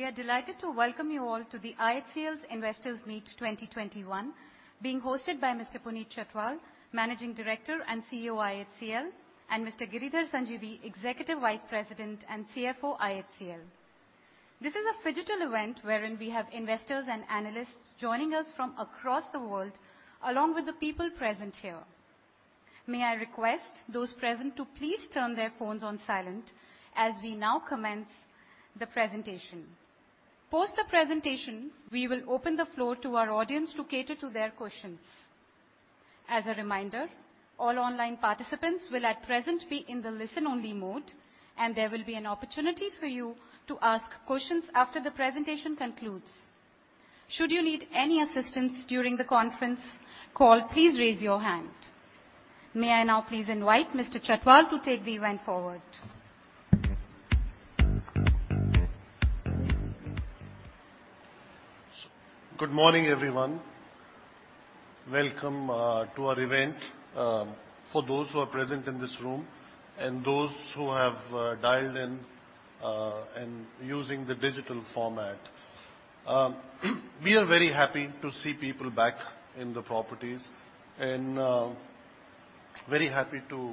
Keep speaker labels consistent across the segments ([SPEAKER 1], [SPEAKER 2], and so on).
[SPEAKER 1] We are delighted to welcome you all to the IHCL's Investors Meet 2021, being hosted by Mr. Puneet Chhatwal, Managing Director and CEO, IHCL, and Mr. Giridhar Sanjeevi, Executive Vice President and CFO, IHCL. This is a phygital event wherein we have investors and analysts joining us from across the world, along with the people present here. May I request those present to please turn their phones on silent as we now commence the presentation. Post the presentation, we will open the floor to our audience to cater to their questions. As a reminder, all online participants will at present be in the listen-only mode, and there will be an opportunity for you to ask questions after the presentation concludes. Should you need any assistance during the conference call, please raise your hand. May I now please invite Mr. Chhatwal to take the event forward.
[SPEAKER 2] Good morning, everyone. Welcome to our event, for those who are present in this room and those who have dialed in and using the digital format. We are very happy to see people back in the properties and very happy to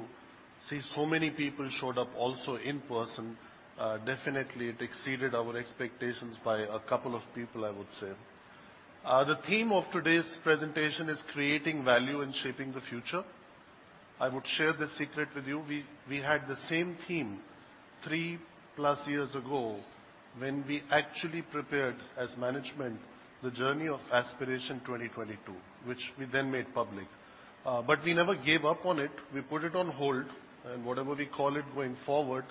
[SPEAKER 2] see so many people showed up also in person. Definitely, it exceeded our expectations by a couple of people, I would say. The theme of today's presentation is Creating Value and Shaping the Future. I would share the secret with you. We had the same theme three-plus years ago when we actually prepared, as management, the journey of Aspiration 2022, which we then made public. We never gave up on it. We put it on hold and whatever we call it going forward,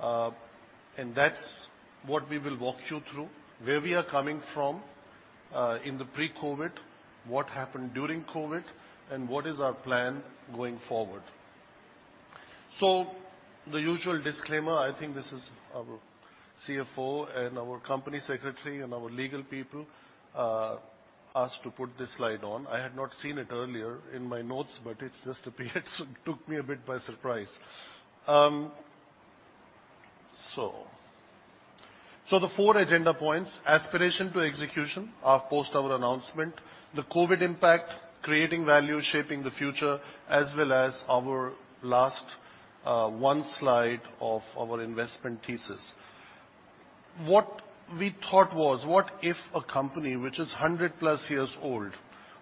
[SPEAKER 2] and that's what we will walk you through. Where we are coming from in the pre-COVID, what happened during COVID, and what is our plan going forward. The usual disclaimer, I think this is our CFO and our company secretary and our legal people asked to put this slide on. I had not seen it earlier in my notes, but it just appeared, so it took me a bit by surprise. The four agenda points: Aspiration to Execution, are post our announcement, The COVID Impact, Creating Value, Shaping the Future, as well as our last one slide of our investment thesis. What we thought was, what if a company which is 100-plus years old,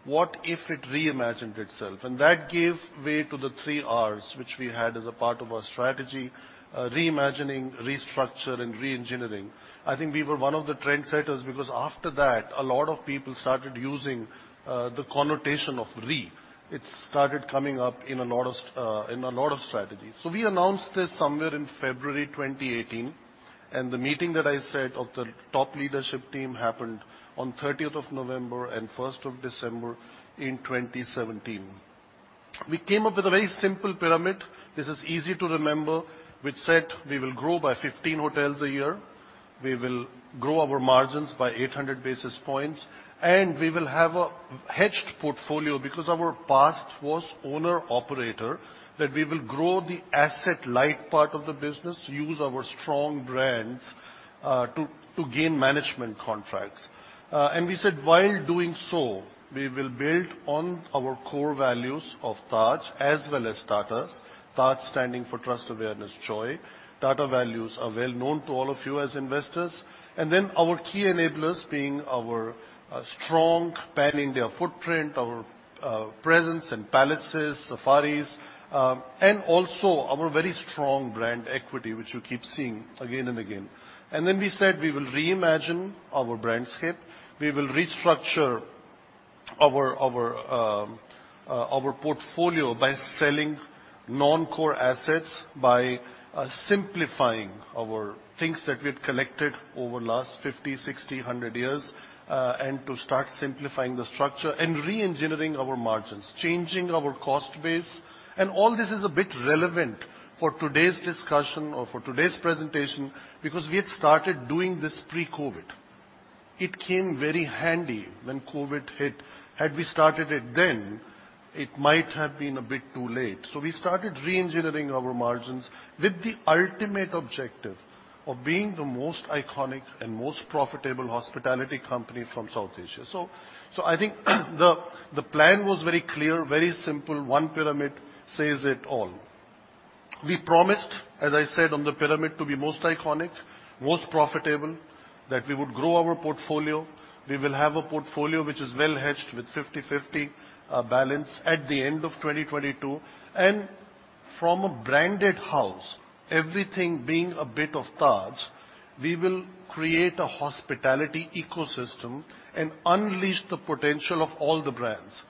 [SPEAKER 2] what if it reimagined itself? That gave way to the three Rs, which we had as a part of our strategy, reimagining, restructure, and re-engineering. I think we were one of the trendsetters because, after that, a lot of people started using the connotation of re. It started coming up in a lot of strategies. We announced this somewhere in February 2018, and the meeting that I said of the top leadership team happened on 30th of November and 1st of December in 2017. We came up with a very simple pyramid. This is easy to remember, which said we will grow by 15 hotels a year, we will grow our margins by 800 basis points, and we will have a hedged portfolio because our past was owner/operator, that we will grow the asset-light part of the business, use our strong brands to gain management contracts. We said while doing so, we will build on our core values of TAJ as well as Tata's. TAJ standing for Trust, Awareness, Joy. Our key enablers being our strong branding their footprint, our presence in palaces, safaris, and also our very strong brand equity, which you keep seeing again and again. We said we will reimagine our brandscape. We will restructure our portfolio by selling non-core assets, by simplifying our things that we've collected over the last 50, 60, 100 years, and to start simplifying the structure and re-engineering our margins. Changing our cost base and all this is a bit relevant for today's discussion or for today's presentation because we had started doing this pre-COVID. It came very handy when COVID hit. Had we started it then, it might have been a bit too late. We started re-engineering our margins with the ultimate objective of being the most iconic and most profitable hospitality company from South Asia. I think the plan was very clear, very simple. One pyramid says it all. We promised, as I said on the pyramid, to be most iconic, most profitable, that we would grow our portfolio. We will have a portfolio which is well hedged with 50/50 balance at the end of 2022. From a branded house, everything being a bit of Taj, we will create a hospitality ecosystem and unleash the potential of all the brands.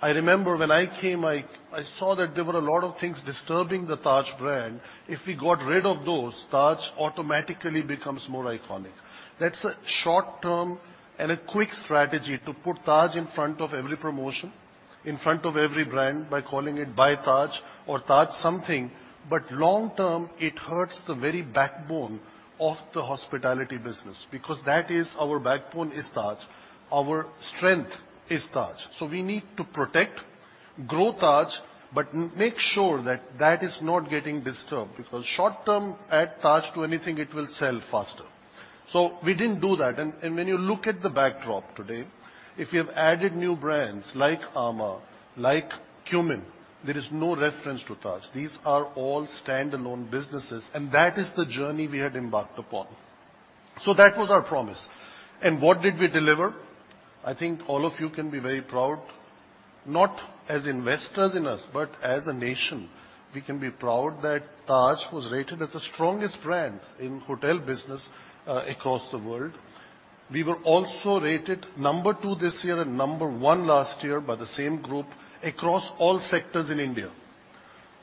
[SPEAKER 2] I remember when I came, I saw that there were a lot of things disturbing the Taj brand. If we got rid of those, Taj automatically becomes more iconic. That's a short-term and a quick strategy to put Taj in front of every promotion, in front of every brand by calling it by Taj or Taj something. Long-term, it hurts the very backbone of the hospitality business because that is our backbone is Taj. Our strength is Taj. We need to protect, grow Taj, make sure that that is not getting disturbed, because short term, add Taj to anything, it will sell faster. We didn't do that. When you look at the backdrop today, if you've added new brands like amã, like Qmin, there is no reference to Taj. These are all standalone businesses, that is the journey we had embarked upon. That was our promise. What did we deliver? I think all of you can be very proud, not as investors in us, but as a nation. We can be proud that Taj was rated as the strongest brand in hotel business across the world. We were also rated number two this year and number 1 last year by the same group across all sectors in India.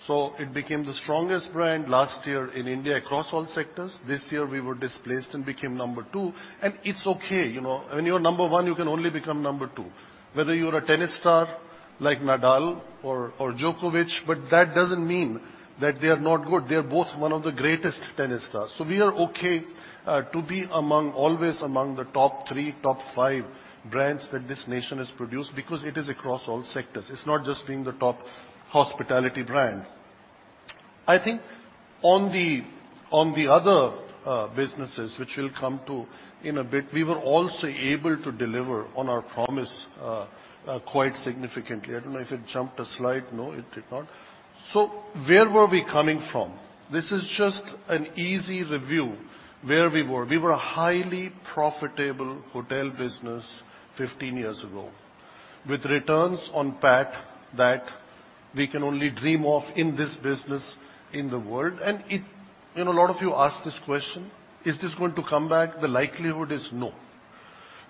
[SPEAKER 2] It became the strongest brand last year in India across all sectors. This year, we were displaced and became number two, and it's okay. When you're number one, you can only become number two, whether you're a tennis star like Nadal or Djokovic. That doesn't mean that they are not good. They're both one of the greatest tennis stars. We are okay to be always among the top three, top five brands that this nation has produced because it is across all sectors. It's not just being the top hospitality brand. I think on the other businesses, which we'll come to in a bit, we were also able to deliver on our promise quite significantly. I don't know if it jumped a slide. No, it did not. Where were we coming from? This is just an easy review where we were. We were a highly profitable hotel business 15 years ago, with returns on PAT that we can only dream of in this business in the world. A lot of you ask this question: Is this going to come back? The likelihood is no.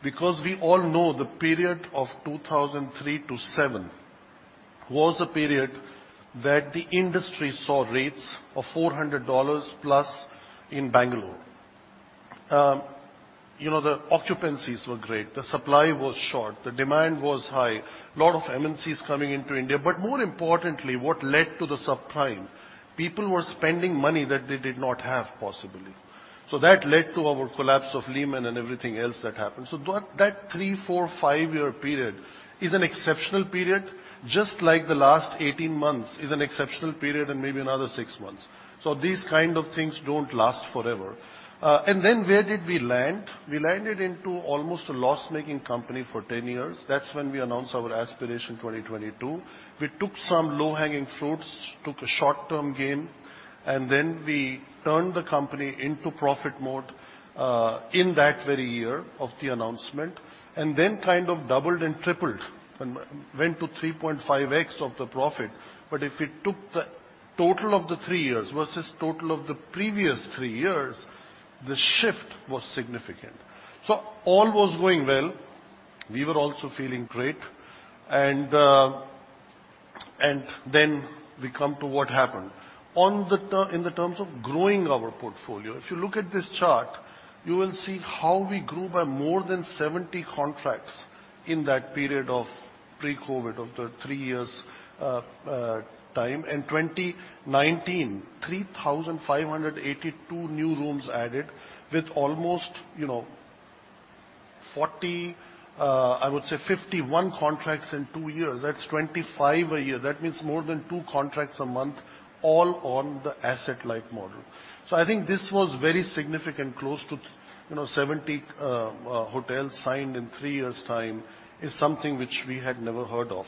[SPEAKER 2] We all know the period of 2003 to 2007 was a period that the industry saw rates of $400 plus in Bangalore. The occupancies were great. The supply was short, the demand was high. A lot of MNCs coming into India. More importantly, what led to the subprime, people were spending money that they did not have, possibly. That led to our collapse of Lehman and everything else that happened. That three, four, five-year period is an exceptional period, just like the last 18 months is an exceptional period and maybe another six months. These kind of things don't last forever. Where did we land? We landed into almost a loss-making company for 10 years. That's when we announced our Aspiration 2022. We took some low-hanging fruits, took a short-term gain, we turned the company into profit mode in that very year of the announcement, kind of doubled and tripled and went to 3.5x of the profit. If it took the total of the three years versus total of the previous three years, the shift was significant. All was going well. We were also feeling great. We come to what happened. In terms of growing our portfolio, if you look at this chart, you will see how we grew by more than 70 contracts in that period of pre-COVID of the three years' time. In 2019, 3,582 new rooms added with almost 40, I would say 51 contracts in two years. That's 25 a year. That means more than two contracts a month, all on the asset-light model. I think this was very significant. Close to 70 hotels signed in three years' time is something which we had never heard of.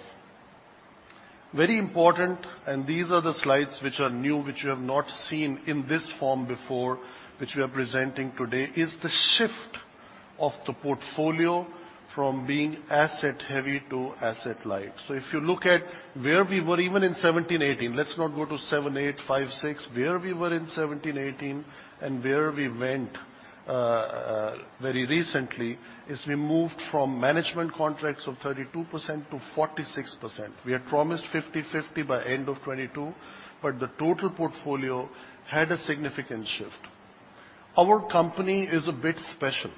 [SPEAKER 2] Very important. These are the slides which are new, which you have not seen in this form before, which we are presenting today, is the shift of the portfolio from being asset-heavy to asset-light. If you look at where we were even in 2017, 2018, let's not go to seven, eight, five, six, where we were in 2017, 2018 and where we went very recently, is we moved from management contracts from 32% to 46%. We had promised 50/50 by end of 2022. The total portfolio had a significant shift. Our company is a bit special.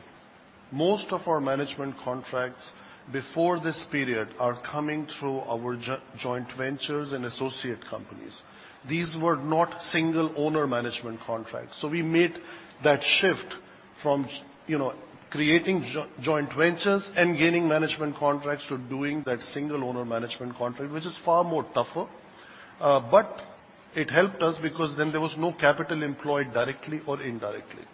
[SPEAKER 2] Most of our management contracts before this period are coming through our joint ventures and associate companies. These were not single owner management contracts. We made that shift from creating joint ventures and gaining management contracts to doing that single owner management contract, which is far more tougher. It helped us because then there was no capital employed directly or indirectly.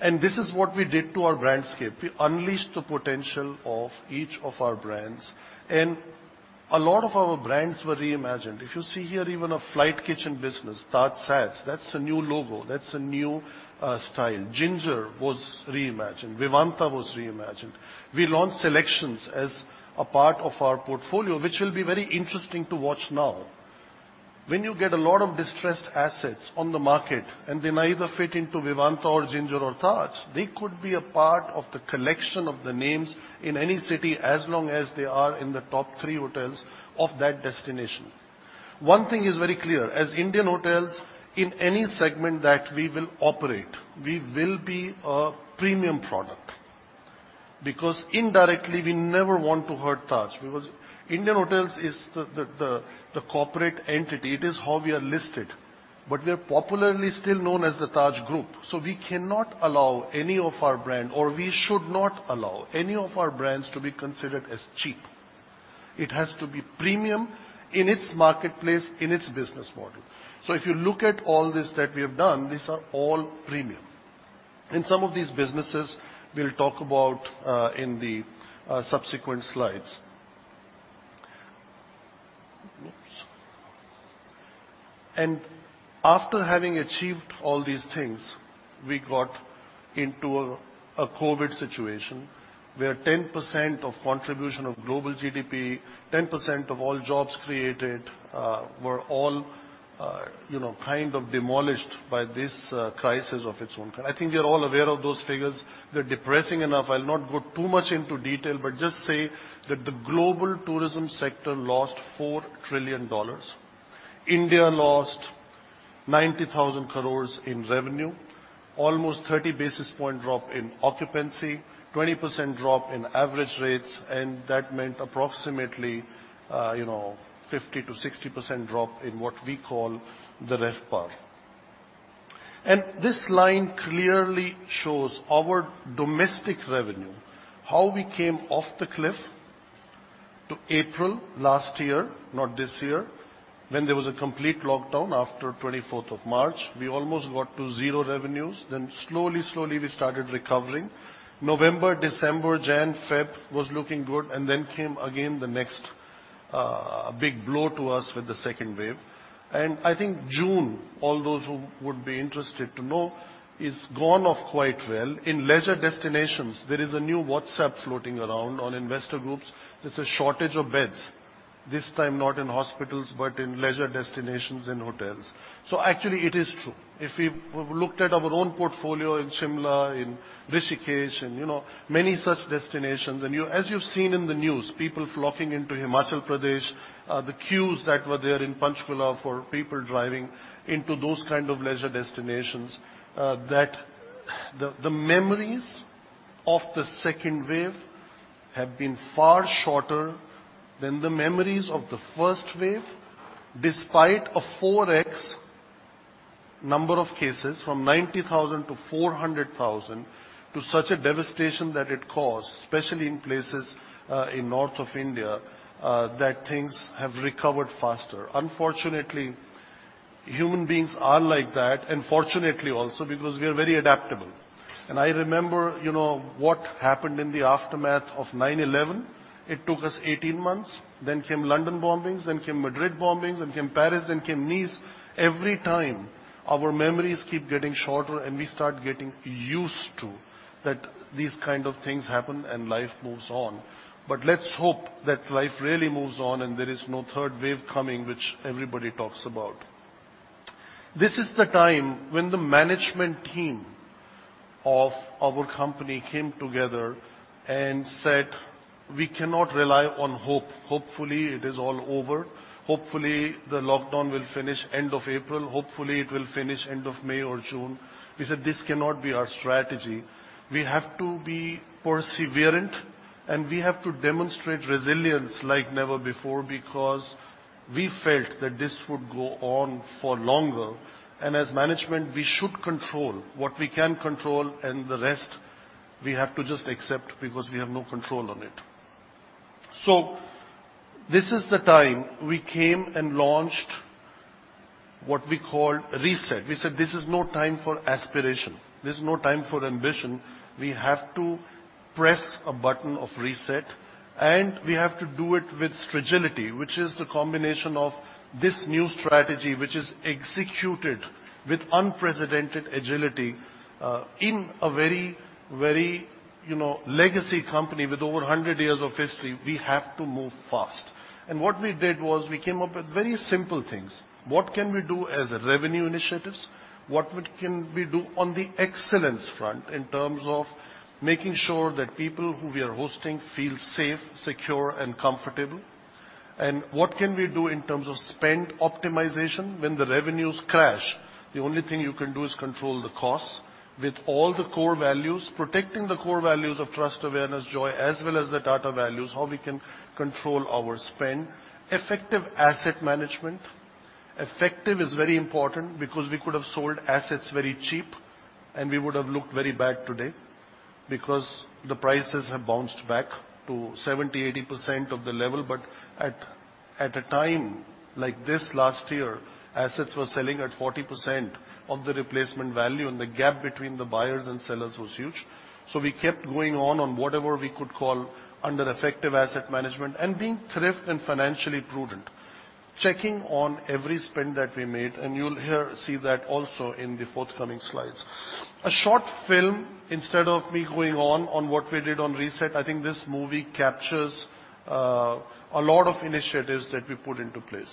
[SPEAKER 2] This is what we did to our brandscape. We unleashed the potential of each of our brands. A lot of our brands were reimagined. If you see here, even a flight kitchen business, TajSATS, that's a new logo. That's a new style. Ginger was reimagined. Vivanta was reimagined. We launched SeleQtions as a part of our portfolio, which will be very interesting to watch now. When you get a lot of distressed assets on the market and they neither fit into Vivanta or Ginger or Taj, they could be a part of the collection of the names in any city as long as they are in the top three hotels of that destination. One thing is very clear: as Indian Hotels, in any segment that we will operate, we will be a premium product, because indirectly, we never want to hurt Taj, because Indian Hotels is the corporate entity. It is how we are listed. We are popularly still known as the Taj Group, so we cannot allow any of our brand, or we should not allow any of our brands to be considered as cheap. It has to be premium in its marketplace, in its business model. If you look at all this that we have done, these are all premium. Some of these businesses we'll talk about in the subsequent slides. Oops. After having achieved all these things, we got into a COVID situation where 10% of contribution of global GDP, 10% of all jobs created were all kind of demolished by this crisis of its own. I think you're all aware of those figures. They're depressing enough. I'll not go too much into detail, but just say that the global tourism sector lost $4 trillion. India lost 90,000 crores in revenue, almost 30 basis point drop in occupancy, 20% drop in average rates. That meant approximately 50%-60% drop in what we call the RevPAR. This line clearly shows our domestic revenue, how we came off the cliff to April last year, not this year, when there was a complete lockdown after 24th of March. We almost got to zero revenues. Slowly we started recovering. November, December, January, February was looking good. Then came again the next big blow to us with the second wave. I think June, all those who would be interested to know, is gone off quite well. In leisure destinations, there is a new WhatsApp floating around on investor groups, there's a shortage of beds, this time not in hospitals, but in leisure destinations and hotels. Actually, it is true. If we looked at our own portfolio in Shimla, in Rishikesh, and many such destinations, and as you've seen in the news, people flocking into Himachal Pradesh, the queues that were there in Panchkula for people driving into those kind of leisure destinations, that the memories of the second wave have been far shorter than the memories of the first wave, despite a 4x number of cases from 90,000 to 400,000 to such a devastation that it caused, especially in places in north of India, that things have recovered faster. Unfortunately, human beings are like that, and fortunately also because we are very adaptable. I remember what happened in the aftermath of 9/11. It took us 18 months. Came London bombings, then came Madrid bombings, then came Paris, then came Nice. Every time our memories keep getting shorter and we start getting used to that these kind of things happen and life moves on. Let's hope that life really moves on and there is no third wave coming, which everybody talks about. This is the time when the management team of our company came together and said, "We cannot rely on hope. Hopefully, it is all over. Hopefully, the lockdown will finish end of April. Hopefully, it will finish end of May or June." We said this cannot be our strategy. We have to be perseverant and we have to demonstrate resilience like never before because we felt that this would go on for longer. As management, we should control what we can control and the rest we have to just accept because we have no control on it. This is the time we came and launched what we call RESET. We said, "This is no time for aspiration. This is no time for ambition. We have to press a button of RESET, and we have to do it with agility," which is the combination of this new strategy, which is executed with unprecedented agility, in a very legacy company with over 100 years of history. We have to move fast. What we did was we came up with very simple things. What can we do as revenue initiatives? What can we do on the excellence front in terms of making sure that people who we are hosting feel safe, secure, and comfortable? What can we do in terms of spend optimization? When the revenues crash, the only thing you can do is control the cost with all the core values, protecting the core values of Trust, Awareness, Joy, as well as the data values, how we can control our spend. Effective asset management. Effective is very important because we could have sold assets very cheap, and we would have looked very bad today because the prices have bounced back to 70%, 80% of the level. At a time like this last year, assets were selling at 40% of the replacement value, and the gap between the buyers and sellers was huge. We kept going on whatever we could call under effective asset management and being thrift and financially prudent, checking on every spend that we made, and you'll see that also in the forthcoming slides. A short film, instead of me going on what we did on RESET. I think this movie captures a lot of initiatives that we put into place.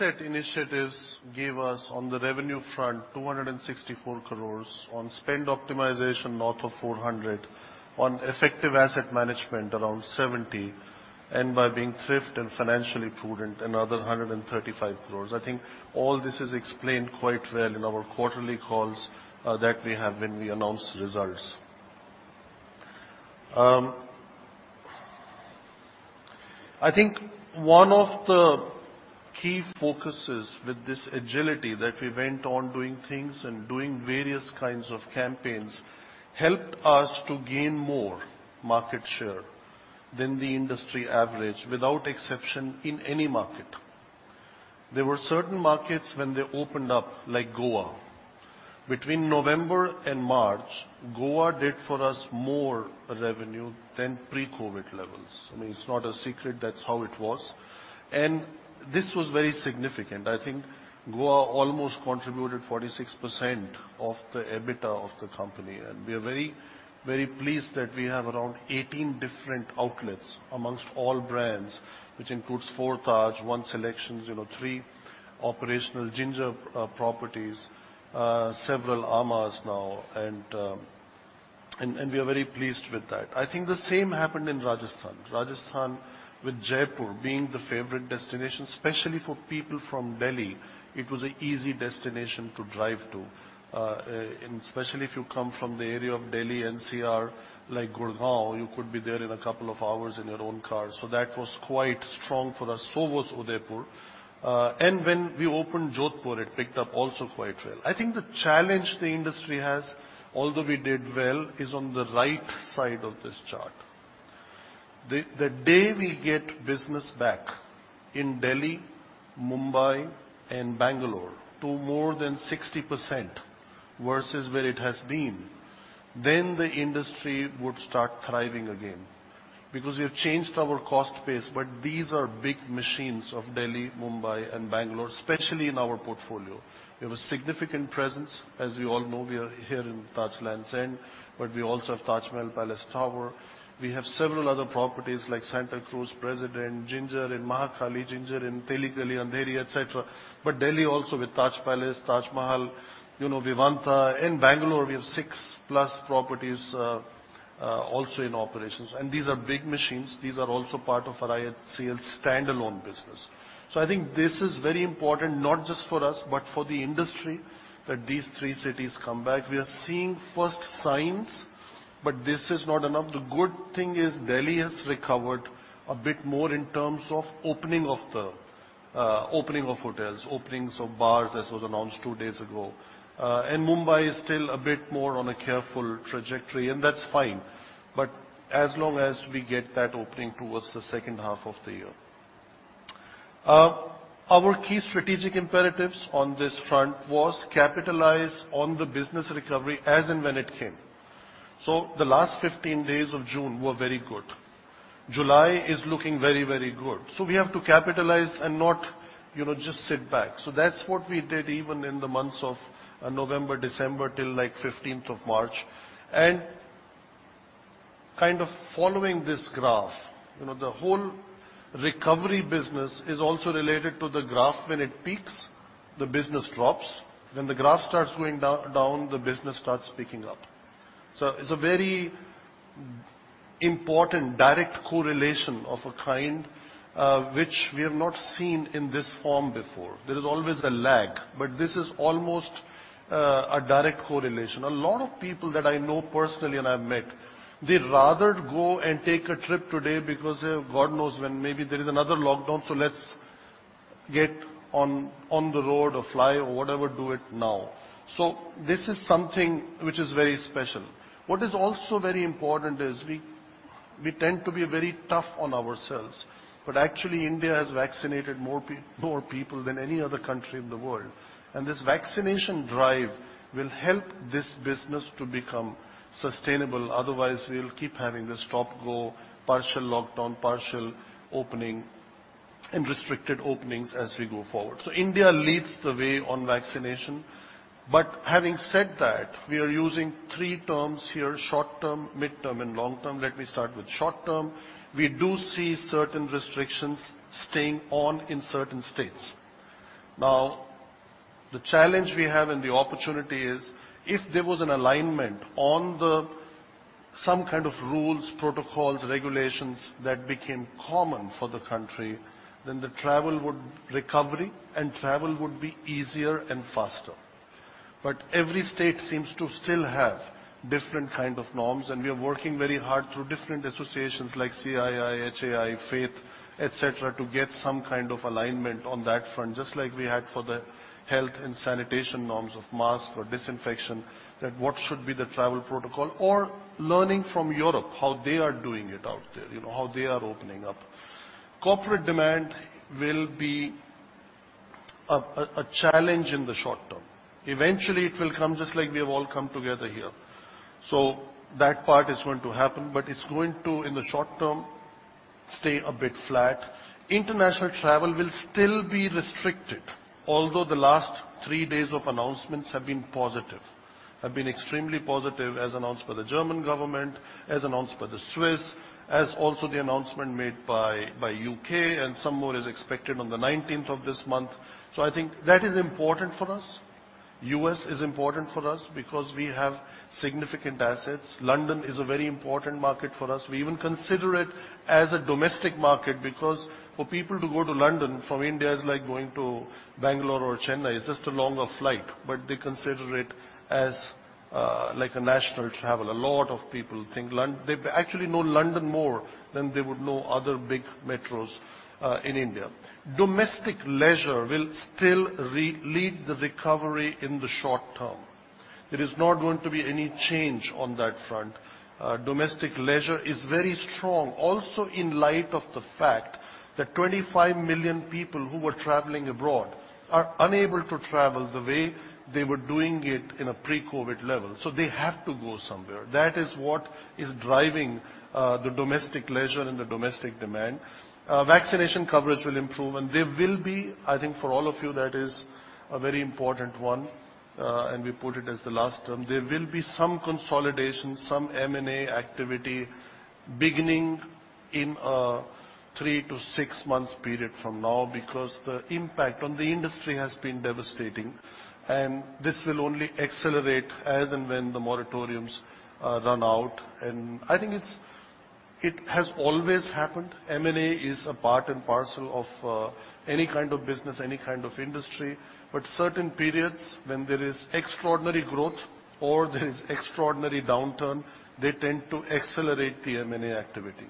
[SPEAKER 2] The RESET initiatives gave us, on the revenue front, 264 crores, on spend optimization north of 400, on effective asset management around 70, and by being thrift and financially prudent, another 135 crores. I think all this is explained quite well in our quarterly calls that we have when we announce results. I think one of the key focuses with this agility that we went on doing things and doing various kinds of campaigns helped us to gain more market share than the industry average, without exception in any market. There were certain markets when they opened up, like Goa. Between November and March, Goa did for us more revenue than pre-COVID levels. I mean, it's not a secret. That's how it was. This was very significant. I think Goa almost contributed 46% of the EBITDA of the company, and we are very pleased that we have around 18 different outlets amongst all brands, which includes four Taj, 1 SeleQtions, three operational Ginger properties, several amã now, and we are very pleased with that. I think the same happened in Rajasthan. Rajasthan with Jaipur being the favorite destination, especially for people from Delhi, it was an easy destination to drive to. Especially if you come from the area of Delhi NCR, like Gurugram, you could be there in a couple of hours in your own car. That was quite strong for us. So was Udaipur. When we opened Jodhpur, it picked up also quite well. I think the challenge the industry has, although we did well, is on the right side of this chart. The day we get business back in Delhi, Mumbai, and Bangalore to more than 60% versus where it has been, then the industry would start thriving again. We have changed our cost base, but these are big machines of Delhi, Mumbai, and Bangalore, especially in our portfolio. We have a significant presence. As you all know, we are here in Taj Lands End, but we also have Taj Mahal Palace & Tower. We have several other properties like Santacruz President, Ginger in Mahakali, Ginger in Teli Galli, Andheri, et cetera. Delhi also with Taj Palace, Taj Mahal, Vivanta. In Bangalore, we have 6+ properties also in operations. These are big machines. These are also part of our IHCL standalone business. I think this is very important, not just for us, but for the industry, that these 3 cities come back. We are seeing first signs, but this is not enough. The good thing is Delhi has recovered a bit more in terms of opening of hotels, openings of bars, as was announced two days ago. Mumbai is still a bit more on a careful trajectory, and that's fine. As long as we get that opening towards the second half of the year. Our key strategic imperatives on this front was capitalize on the business recovery as and when it came. The last 15 days of June were very good. July is looking very, very good. We have to capitalize and not just sit back. That's what we did even in the months of November, December, till 15th of March. Kind of following this graph, the whole recovery business is also related to the graph. When it peaks, the business drops. When the graph starts going down, the business starts picking up. It's a very important direct correlation of a kind which we have not seen in this form before. There's always a lag, but this is almost a direct correlation. A lot of people that I know personally and I've met, they'd rather go and take a trip today because God knows when maybe there is another lockdown, so let's get on the road or fly or whatever, do it now. This is something which is very special. What is also very important is we tend to be very tough on ourselves. Actually, India has vaccinated more people than any other country in the world. This vaccination drive will help this business to become sustainable. Otherwise, we'll keep having this stop-go, partial lockdown, partial opening, and restricted openings as we go forward. India leads the way on vaccination. Having said that, we are using 3 terms here, short term, midterm, and long term. Let me start with short term. We do see certain restrictions staying on in certain states. Now, the challenge we have and the opportunity is, if there was an alignment on some kind of rules, protocols, regulations that became common for the country, then the recovery and travel would be easier and faster. Every state seems to still have different kind of norms, and we are working very hard through different associations like CII, HAI, FAITH, et cetera, to get some kind of alignment on that front, just like we had for the health and sanitation norms of masks or disinfection, that what should be the travel protocol or learning from Europe, how they are doing it out there, how they are opening up. Corporate demand will be a challenge in the short term. Eventually, it will come just like we've all come together here. That part is going to happen, but it's going to, in the short term, stay a bit flat. International travel will still be restricted, although the last three days of announcements have been positive. Have been extremely positive, as announced by the German government, as announced by the Swiss, as also the announcement made by U.K., and some more is expected on the 19th of this month. I think that is important for us. U.S. is important for us because we have significant assets. London is a very important market for us. We even consider it as a domestic market because for people to go to London from India is like going to Bangalore or Chennai. It's just a longer flight, but they consider it as like a national travel. A lot of people think they actually know London more than they would know other big metros in India. Domestic leisure will still lead the recovery in the short term. There is not going to be any change on that front. Domestic leisure is very strong, also in light of the fact that 25 million people who were traveling abroad are unable to travel the way they were doing it in a pre-COVID level. They have to go somewhere. That is what is driving the domestic leisure and the domestic demand. Vaccination coverage will improve, and there will be, I think for all of you, that is a very important one, and we put it as the last term. There will be some consolidation, some M&A activity beginning in a three to six months period from now, because the impact on the industry has been devastating. This will only accelerate as and when the moratoriums run out. It has always happened. M&A is a part and parcel of any kind of business, any kind of industry. Certain periods when there is extraordinary growth or there is extraordinary downturn, they tend to accelerate the M&A activity.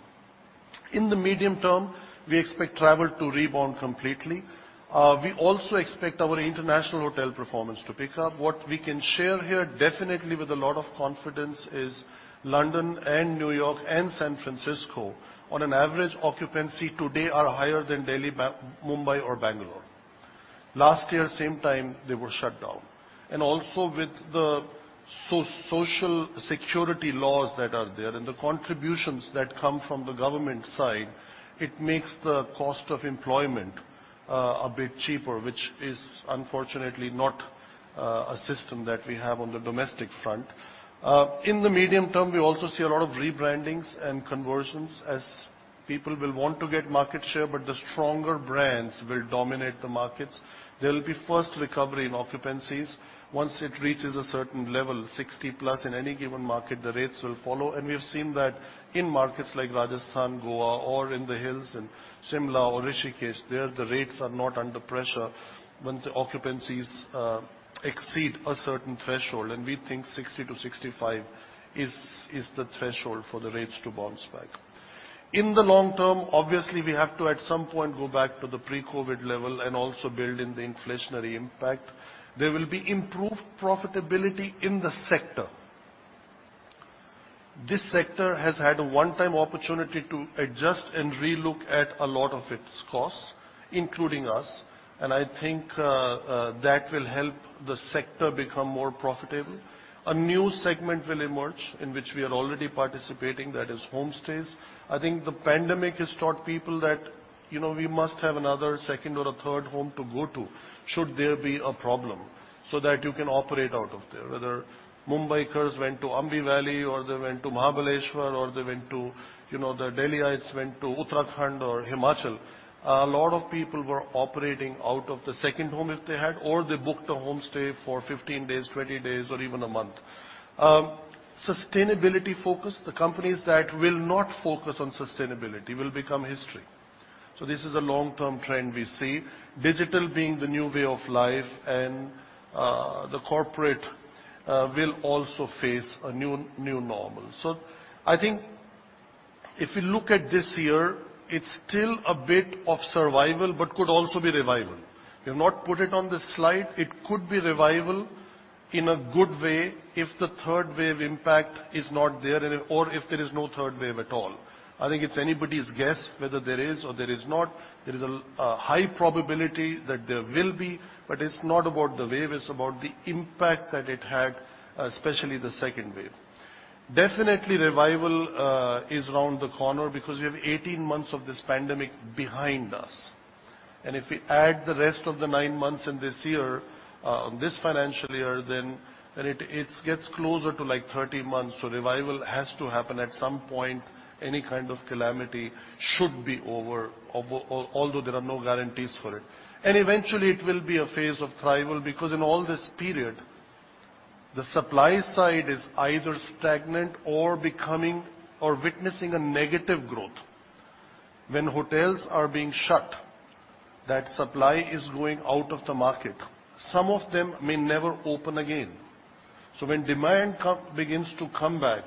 [SPEAKER 2] In the medium term, we expect travel to rebound completely. We also expect our international hotel performance to pick up. What we can share here definitely with a lot of confidence is London and New York and San Francisco on an average occupancy today are higher than Delhi, Mumbai, or Bangalore. Last year, same time, they were shut down. Also with the social security laws that are there and the contributions that come from the government side, it makes the cost of employment a bit cheaper, which is unfortunately not a system that we have on the domestic front. In the medium term, we also see a lot of rebrandings and conversions as people will want to get market share, but the stronger brands will dominate the markets. There will be first recovery in occupancies. Once it reaches a certain level, 60+ in any given market, the rates will follow, and we have seen that in markets like Rajasthan, Goa, or in the hills in Shimla or Rishikesh. There, the rates are not under pressure when the occupancies exceed a certain threshold, and we think 60-65 is the threshold for the rates to bounce back. In the long term, obviously, we have to, at some point, go back to the pre-COVID level and also build in the inflationary impact. There will be improved profitability in the sector. This sector has had a one-time opportunity to adjust and relook at a lot of its costs, including us, and I think that will help the sector become more profitable. A new segment will emerge in which we are already participating, that is homestays. I think the pandemic has taught people that we must have another second or a third home to go to should there be a problem so that you can operate out of there. Whether Mumbaikars went to Aamby Valley or they went to Mahabaleshwar or the Delhiites went to Uttarakhand or Himachal. A lot of people were operating out of the second home if they had, or they booked a homestay for 15 days, 20 days, or even a month. Sustainability focus, the companies that will not focus on sustainability will become history. This is a long-term trend we see, digital being the new way of life and the corporate will also face a new normal. I think if you look at this year, it's still a bit of survival, but could also be revival. We have not put it on the slide. It could be revival in a good way if the third wave impact is not there or if there is no third wave at all. I think it's anybody's guess whether there is or there is not. There is a high probability that there will be, but it's not about the wave, it's about the impact that it had, especially the second wave. Definitely revival is around the corner because we have 18 months of this pandemic behind us, and if we add the rest of the nine months in this financial year, then it gets closer to 30 months. Revival has to happen at some point. Any kind of calamity should be over, although there are no guarantees for it. Eventually it will be a phase of thrival because in all this period, the supply side is either stagnant or becoming or witnessing a negative growth. When hotels are being shut, that supply is going out of the market. Some of them may never open again. When demand begins to come back,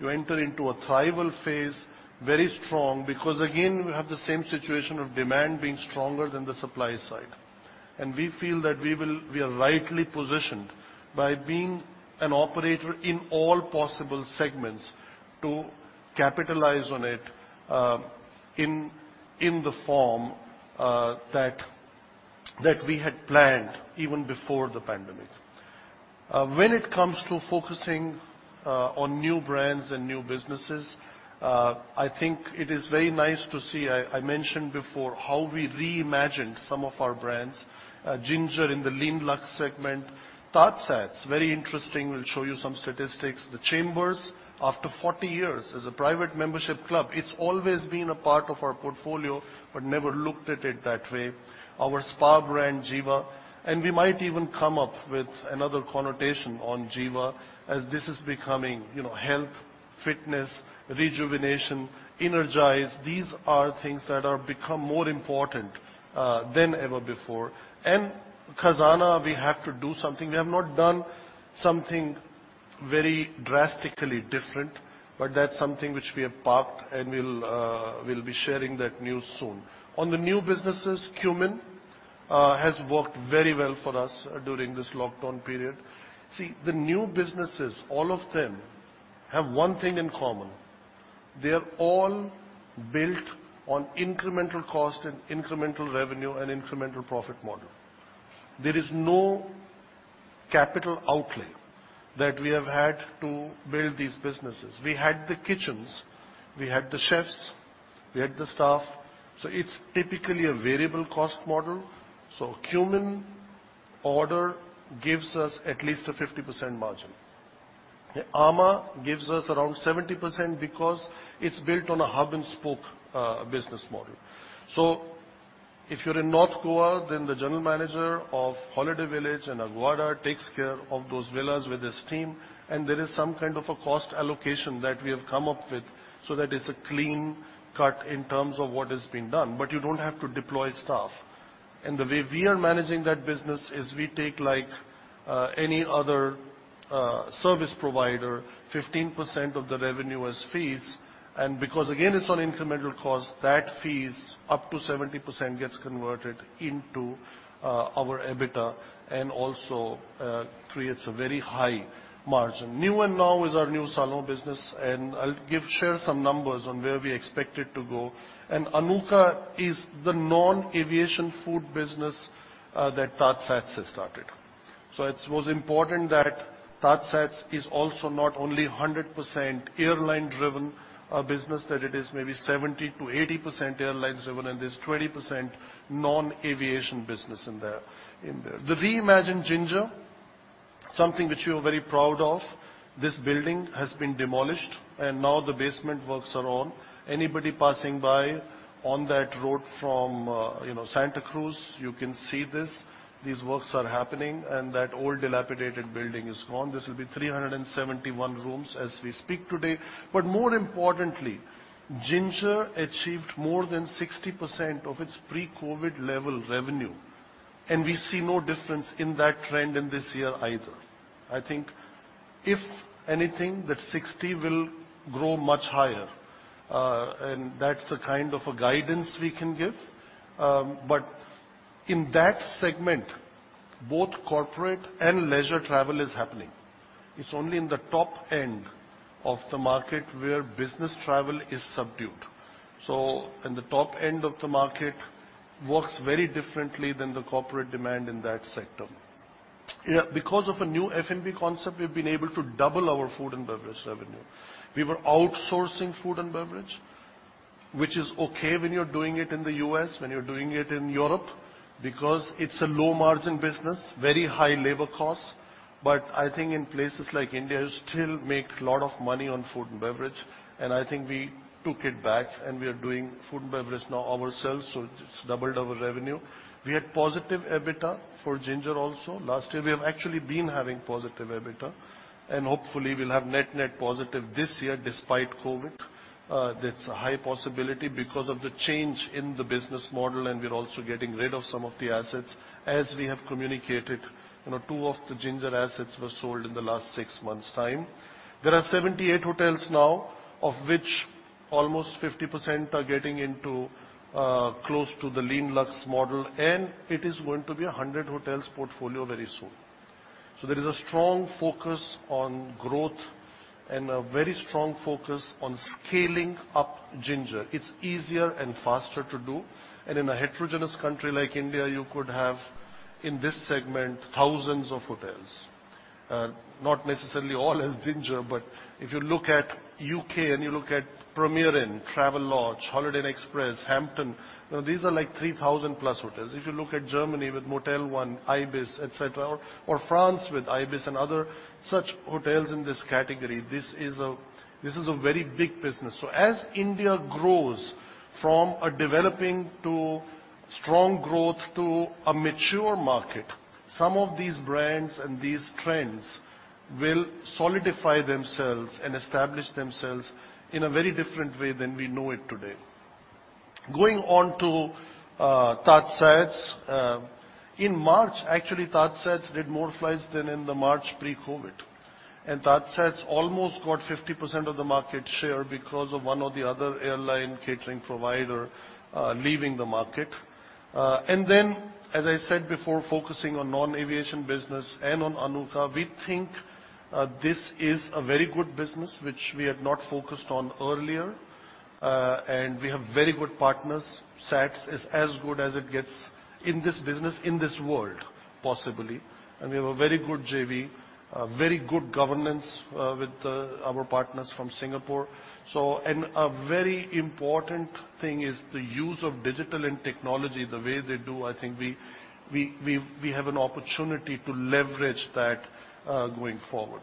[SPEAKER 2] you enter into a thrival phase very strong because again, we have the same situation of demand being stronger than the supply side. We feel that we are rightly positioned by being an operator in all possible segments to capitalize on it in the form that we had planned even before the pandemic. When it comes to focusing on new brands and new businesses, I think it is very nice to see, I mentioned before how we reimagined some of our brands, Ginger in the lean luxe segment. TajSATS, very interesting. We'll show you some statistics. The Chambers, after 40 years as a private membership club. It's always been a part of our portfolio, but never looked at it that way. Our spa brand, Jiva. We might even come up with another connotation on Jiva as this is becoming health, fitness, rejuvenation, energize. These are things that have become more important than ever before. Khazana, we have to do something. We have not done something very drastically different, but that's something which we have parked, and we'll be sharing that news soon. On the new businesses, Qmin has worked very well for us during this lockdown period. See, the new businesses, all of them have one thing in common. They are all built on incremental cost and incremental revenue and incremental profit model. There is no capital outlay that we have had to build these businesses. We had the kitchens. We had the chefs. We had the staff. It's typically a variable cost model. Qmin order gives us at least a 50% margin. amã gives us around 70% because it's built on a hub-and-spoke business model. If you're in North Goa, then the general manager of Holiday Village in Aguada takes care of those villas with his team, and there is some kind of a cost allocation that we have come up with so that it's a clean cut in terms of what is being done, but you don't have to deploy staff. The way we are managing that business is we take, like any other service provider, 15% of the revenue as fees. Because, again, it's on incremental cost, that fees up to 70% gets converted into our EBITDA and also creates a very high margin. niu&nau is our new salon business, and I'll share some numbers on where we expect it to go. Anuka is the non-aviation food business that TajSATS has started. It was important that TajSATS is also not only 100% airline-driven business, that it is maybe 70%-80% airline-driven and there's 20% non-aviation business in there. The reimagined Ginger, something which we are very proud of. This building has been demolished and now the basement works are on. Anybody passing by on that road from Santacruz, you can see this. These works are happening and that old dilapidated building is gone. This will be 371 rooms as we speak today. More importantly, Ginger achieved more than 60% of its pre-COVID level revenue, and we see no difference in that trend in this year either. I think if anything, that 60 will grow much higher, and that's the kind of a guidance we can give. In that segment, both corporate and leisure travel is happening. It's only in the top end of the market where business travel is subdued. In the top end of the market works very differently than the corporate demand in that sector. Because of a new F&B concept, we've been able to double our food and beverage revenue. We were outsourcing food and beverage, which is okay when you're doing it in the U.S., when you're doing it in Europe, because it's a low margin business, very high labor cost. I think in places like India, you still make a lot of money on food and beverage, and I think we took it back and we are doing food and beverage now ourselves, so it's doubled our revenue. We had positive EBITDA for Ginger also last year. We have actually been having positive EBITDA, and hopefully we'll have net positive this year despite COVID. That's a high possibility because of the change in the business model and we're also getting rid of some of the assets, as we have communicated. Two of the Ginger assets were sold in the last six months' time. There are 78 hotels now, of which almost 50% are getting into close to the lean luxe model, and it is going to be 100 hotels portfolio very soon. There is a strong focus on growth and a very strong focus on scaling up Ginger. It's easier and faster to do. In a heterogeneous country like India, you could have, in this segment, thousands of hotels. Not necessarily all as Ginger, but if you look at U.K. and you look at Premier Inn, Travelodge, Holiday Inn Express, Hampton, now these are like 3,000 plus hotels. If you look at Germany with Motel One, ibis, et cetera, or France with ibis and other such hotels in this category, this is a very big business. As India grows from a developing to strong growth to a mature market, some of these brands and these trends will solidify themselves and establish themselves in a very different way than we know it today. Going on to TajSATS. In March, actually, TajSATS did more flights than in the March pre-COVID. TajSATS almost got 50% of the market share because of one or the other airline catering provider leaving the market. As I said before, focusing on non-aviation business and on ANUKA. We think this is a very good business which we had not focused on earlier, and we have very good partners. SATS is as good as it gets in this business, in this world, possibly. We have a very good JV, very good governance with our partners from Singapore. A very important thing is the use of digital and technology the way they do. I think we have an opportunity to leverage that going forward.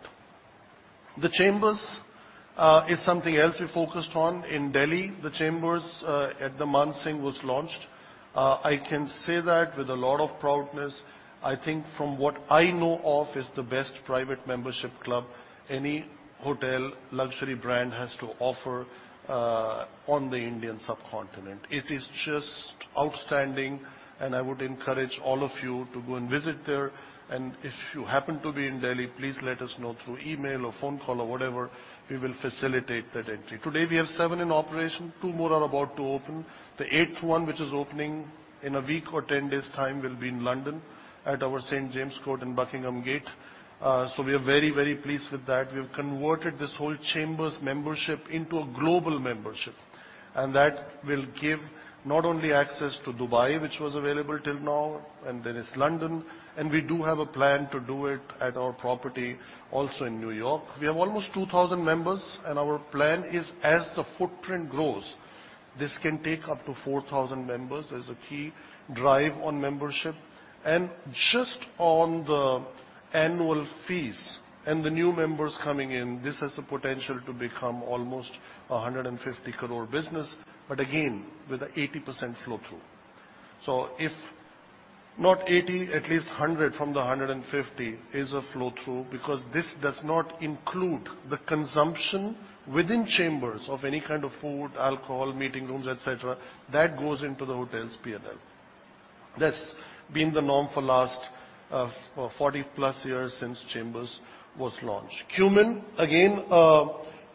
[SPEAKER 2] The Chambers is something else we focused on in Delhi. The Chambers at the Mansingh was launched. I can say that with a lot of proudness, I think from what I know of is the best private membership club any hotel luxury brand has to offer on the Indian subcontinent. It is just outstanding and I would encourage all of you to go and visit there and if you happen to be in Delhi, please let us know through email or phone call or whatever. We will facilitate that entry. Today, we have seven in operation. Two more are about to open. The eighth one, which is opening in a week or 10 days' time, will be in London at our St. James' Court in Buckingham Gate. We are very pleased with that. We've converted this whole The Chambers membership into a global membership, and that will give not only access to Dubai, which was available till now, and there is London, and we do have a plan to do it at our property also in New York. We have almost 2,000 members, and our plan is as the footprint grows, this can take up to 4,000 members. There's a key drive on membership. Just on the annual fees and the new members coming in, this has the potential to become almost 150 crore business, but again, with a 80% flow through. If not 80, at least 100 from the 150 is a flow through, because this does not include the consumption within The Chambers of any kind of food, alcohol, meeting rooms, etc. That goes into the hotel's P&L. That's been the norm for last 40+ years since The Chambers was launched. Qmin, again, an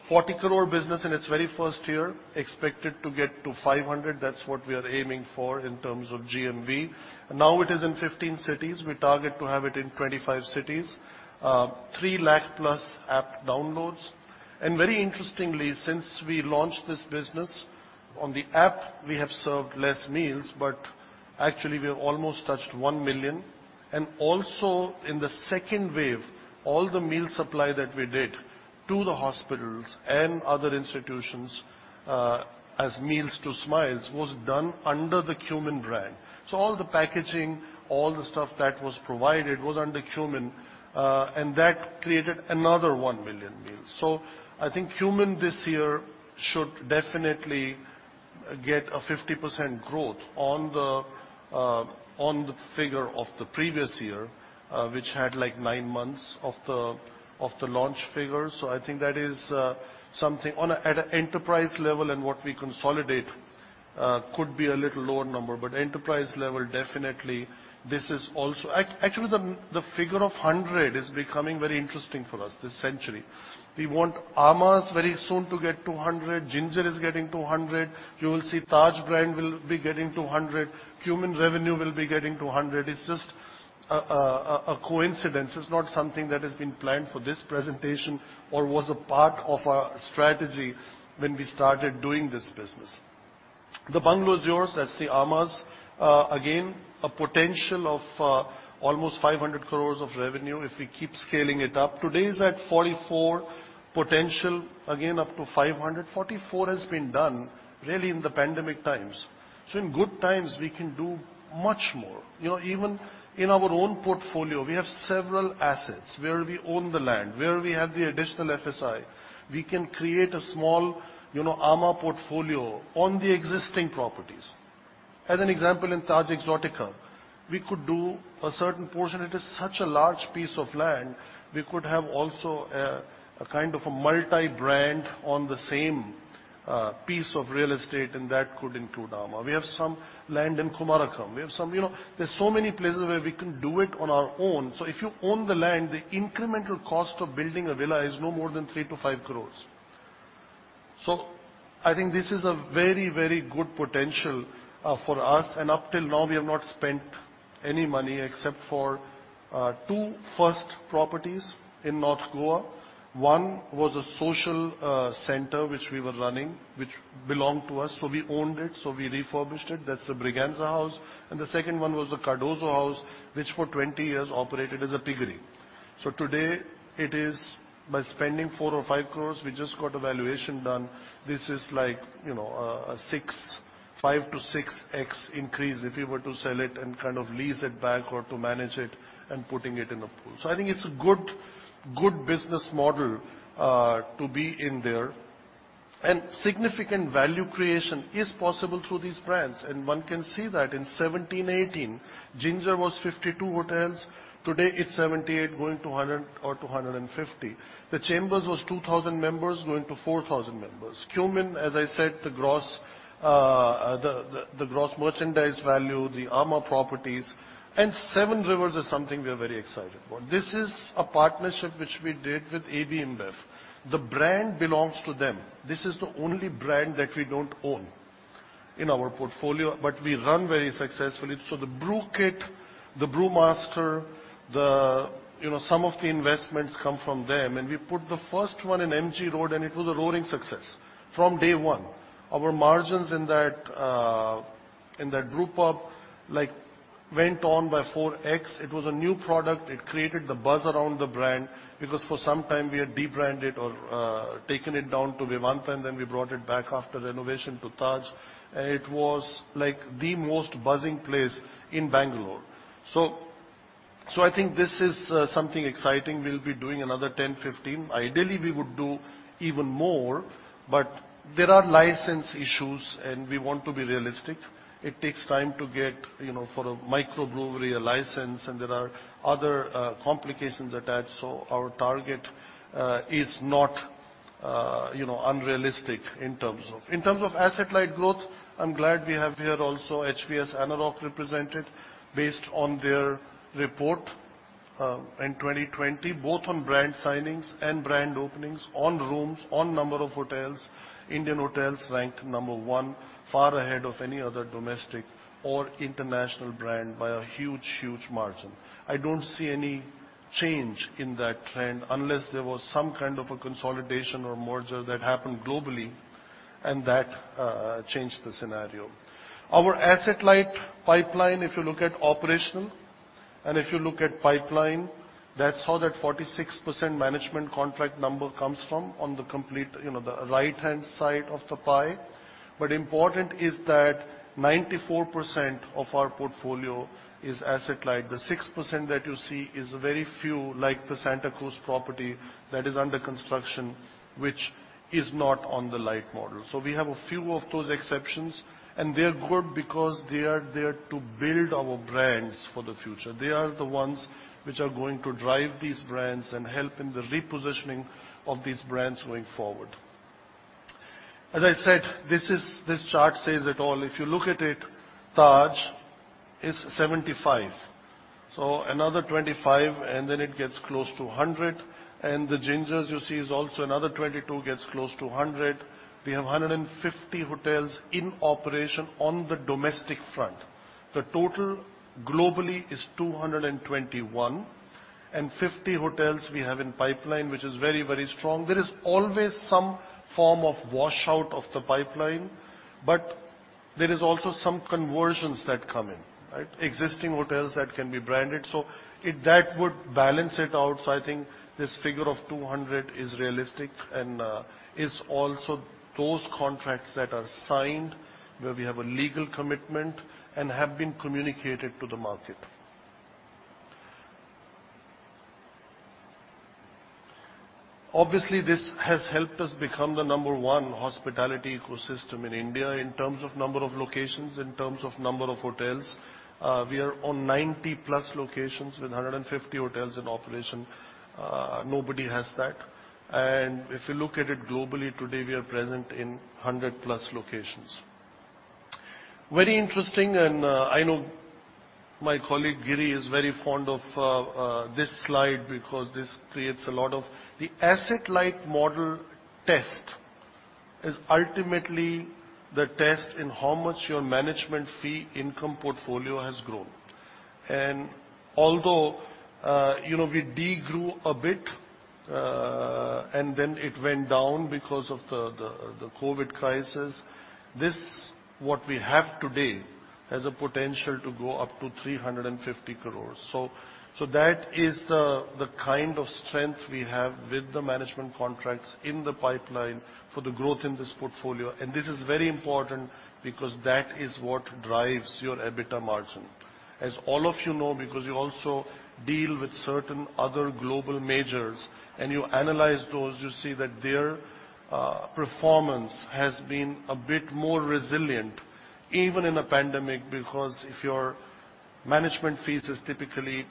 [SPEAKER 2] 40 crore business in its very 1st year, expected to get to 500. That's what we are aiming for in terms of GMV. Now it is in 15 cities. We target to have it in 25 cities. 3 lakh+ app downloads. Very interestingly, since we launched this business, on the app, we have served less meals, but actually we have almost touched 1 million. Also in the 2nd wave, all the meal supply that we did to the hospitals and other institutions, as Meals to Smiles, was done under the Qmin brand. All the packaging, all the stuff that was provided was under Qmin, and that created another one million meals. I think Qmin this year should definitely get a 50% growth on the figure of the previous year, which had nine months of the launch figure. I think that is something. At an enterprise level and what we consolidate could be a little lower number, but enterprise level, definitely, this is also-- Actually, the figure of 100 is becoming very interesting for us this century. We want amã very soon to get to 100. Ginger is getting to 100. You will see Taj will be getting to 100. Qmin revenue will be getting to 100. It's just a coincidence. It's not something that has been planned for this presentation or was a part of our strategy when we started doing this business. The bungalow is yours. I see amã, again, a potential of almost 500 crore of revenue if we keep scaling it up. Today is at 44, potential again up to 500. 44 has been done really in the pandemic times. In good times, we can do much more. Even in our own portfolio, we have several assets where we own the land, where we have the additional FSI. We can create a small amã portfolio on the existing properties. As an example, in Taj Exotica, we could do a certain portion. It is such a large piece of land. We could have also a kind of a multi-brand on the same piece of real estate, and that could include amã. We have some land in Kumarakom. There's so many places where we can do it on our own. If you own the land, the incremental cost of building a villa is no more than 3 crore-5 crore. I think this is a very good potential for us. And up till now, we have not spent any money except for two first properties in North Goa. One was a social center which we were running, which belonged to us. We owned it, we refurbished it. That's the Braganza House. And the second one was the Cardozo House, which for 20 years operated as a piggery. Today, it is by spending 4 crore or 5 crore, we just got a valuation done. This is like a 5x-6x increase if we were to sell it and kind of lease it back or to manage it and putting it in a pool. I think it's a good business model to be in there, and significant value creation is possible through these brands. One can see that in 2017, 2018, Ginger was 52 hotels. Today, it's 78, going to 100 or to 150. The Chambers was 2,000 members, going to 4,000 members. Qmin, as I said, the gross merchandise value, the amã properties, and Seven Rivers is something we're very excited about. This is a partnership which we did with AB InBev. The brand belongs to them. This is the only brand that we don't own in our portfolio, but we run very successfully. The brew kit, the brewmaster, some of the investments come from them, and we put the first one in MG Road, and it was a roaring success from day one. Our margins in that brewpub went on by 4x. It was a new product. It created the buzz around the brand because for some time we had de-branded or taken it down to Vivanta, and then we brought it back after the renovation to Taj, and it was the most buzzing place in Bangalore. I think this is something exciting. We'll be doing another 10, 15. Ideally, we would do even more, but there are license issues, and we want to be realistic. It takes time to get for a microbrewery a license, and there are other complications attached. Our target is not unrealistic. In terms of asset-light growth, I'm glad we have here also HVS Anarock represented based on their report in 2020, both on brand signings and brand openings, on rooms, on number of hotels. Indian Hotels ranked number one, far ahead of any other domestic or international brand by a huge margin. I don't see any change in that trend unless there was some kind of a consolidation or merger that happened globally and that changed the scenario. Our asset-light pipeline, if you look at operational and if you look at pipeline, that's how that 46% management contract number comes from on the complete right-hand side of the pie. But important is that 94% of our portfolio is asset-light. The 6% that you see is very few, like the Santacruz property that is under construction, which is not on the light model. So we have a few of those exceptions, and they're good because they are there to build our brands for the future. They are the ones which are going to drive these brands and help in the repositioning of these brands going forward. As I said, this chart says it all. If you look at it, Taj is 75. Another 25, and then it gets close to 100. The Ginger you see is also another 22, gets close to 100. We have 150 hotels in operation on the domestic front. The total globally is 221 and 50 hotels we have in pipeline, which is very strong. There is always some form of washout of the pipeline, but there is also some conversions that come in. Existing hotels that can be branded, that would balance it out. I think this figure of 200 is realistic and is also those contracts that are signed where we have a legal commitment and have been communicated to the market. Obviously, this has helped us become the number 1 hospitality ecosystem in India in terms of number of locations, in terms of number of hotels. We are on 90 plus locations with 150 hotels in operation. Nobody has that. If you look at it globally, today, we are present in 100+ locations. Very interesting, I know my colleague Giri is very fond of this slide because this creates a lot of. The asset-light model test is ultimately the test in how much your management fee income portfolio has grown. Although we de-grew a bit, then it went down because of the COVID crisis, this, what we have today, has a potential to go up to 350 crores. That is the kind of strength we have with the management contracts in the pipeline for the growth in this portfolio. This is very important because that is what drives your EBITDA margin. As all of you know, because you also deal with certain other global majors and you analyze those, you see that their performance has been a bit more resilient even in a pandemic. Because if your management fees is typically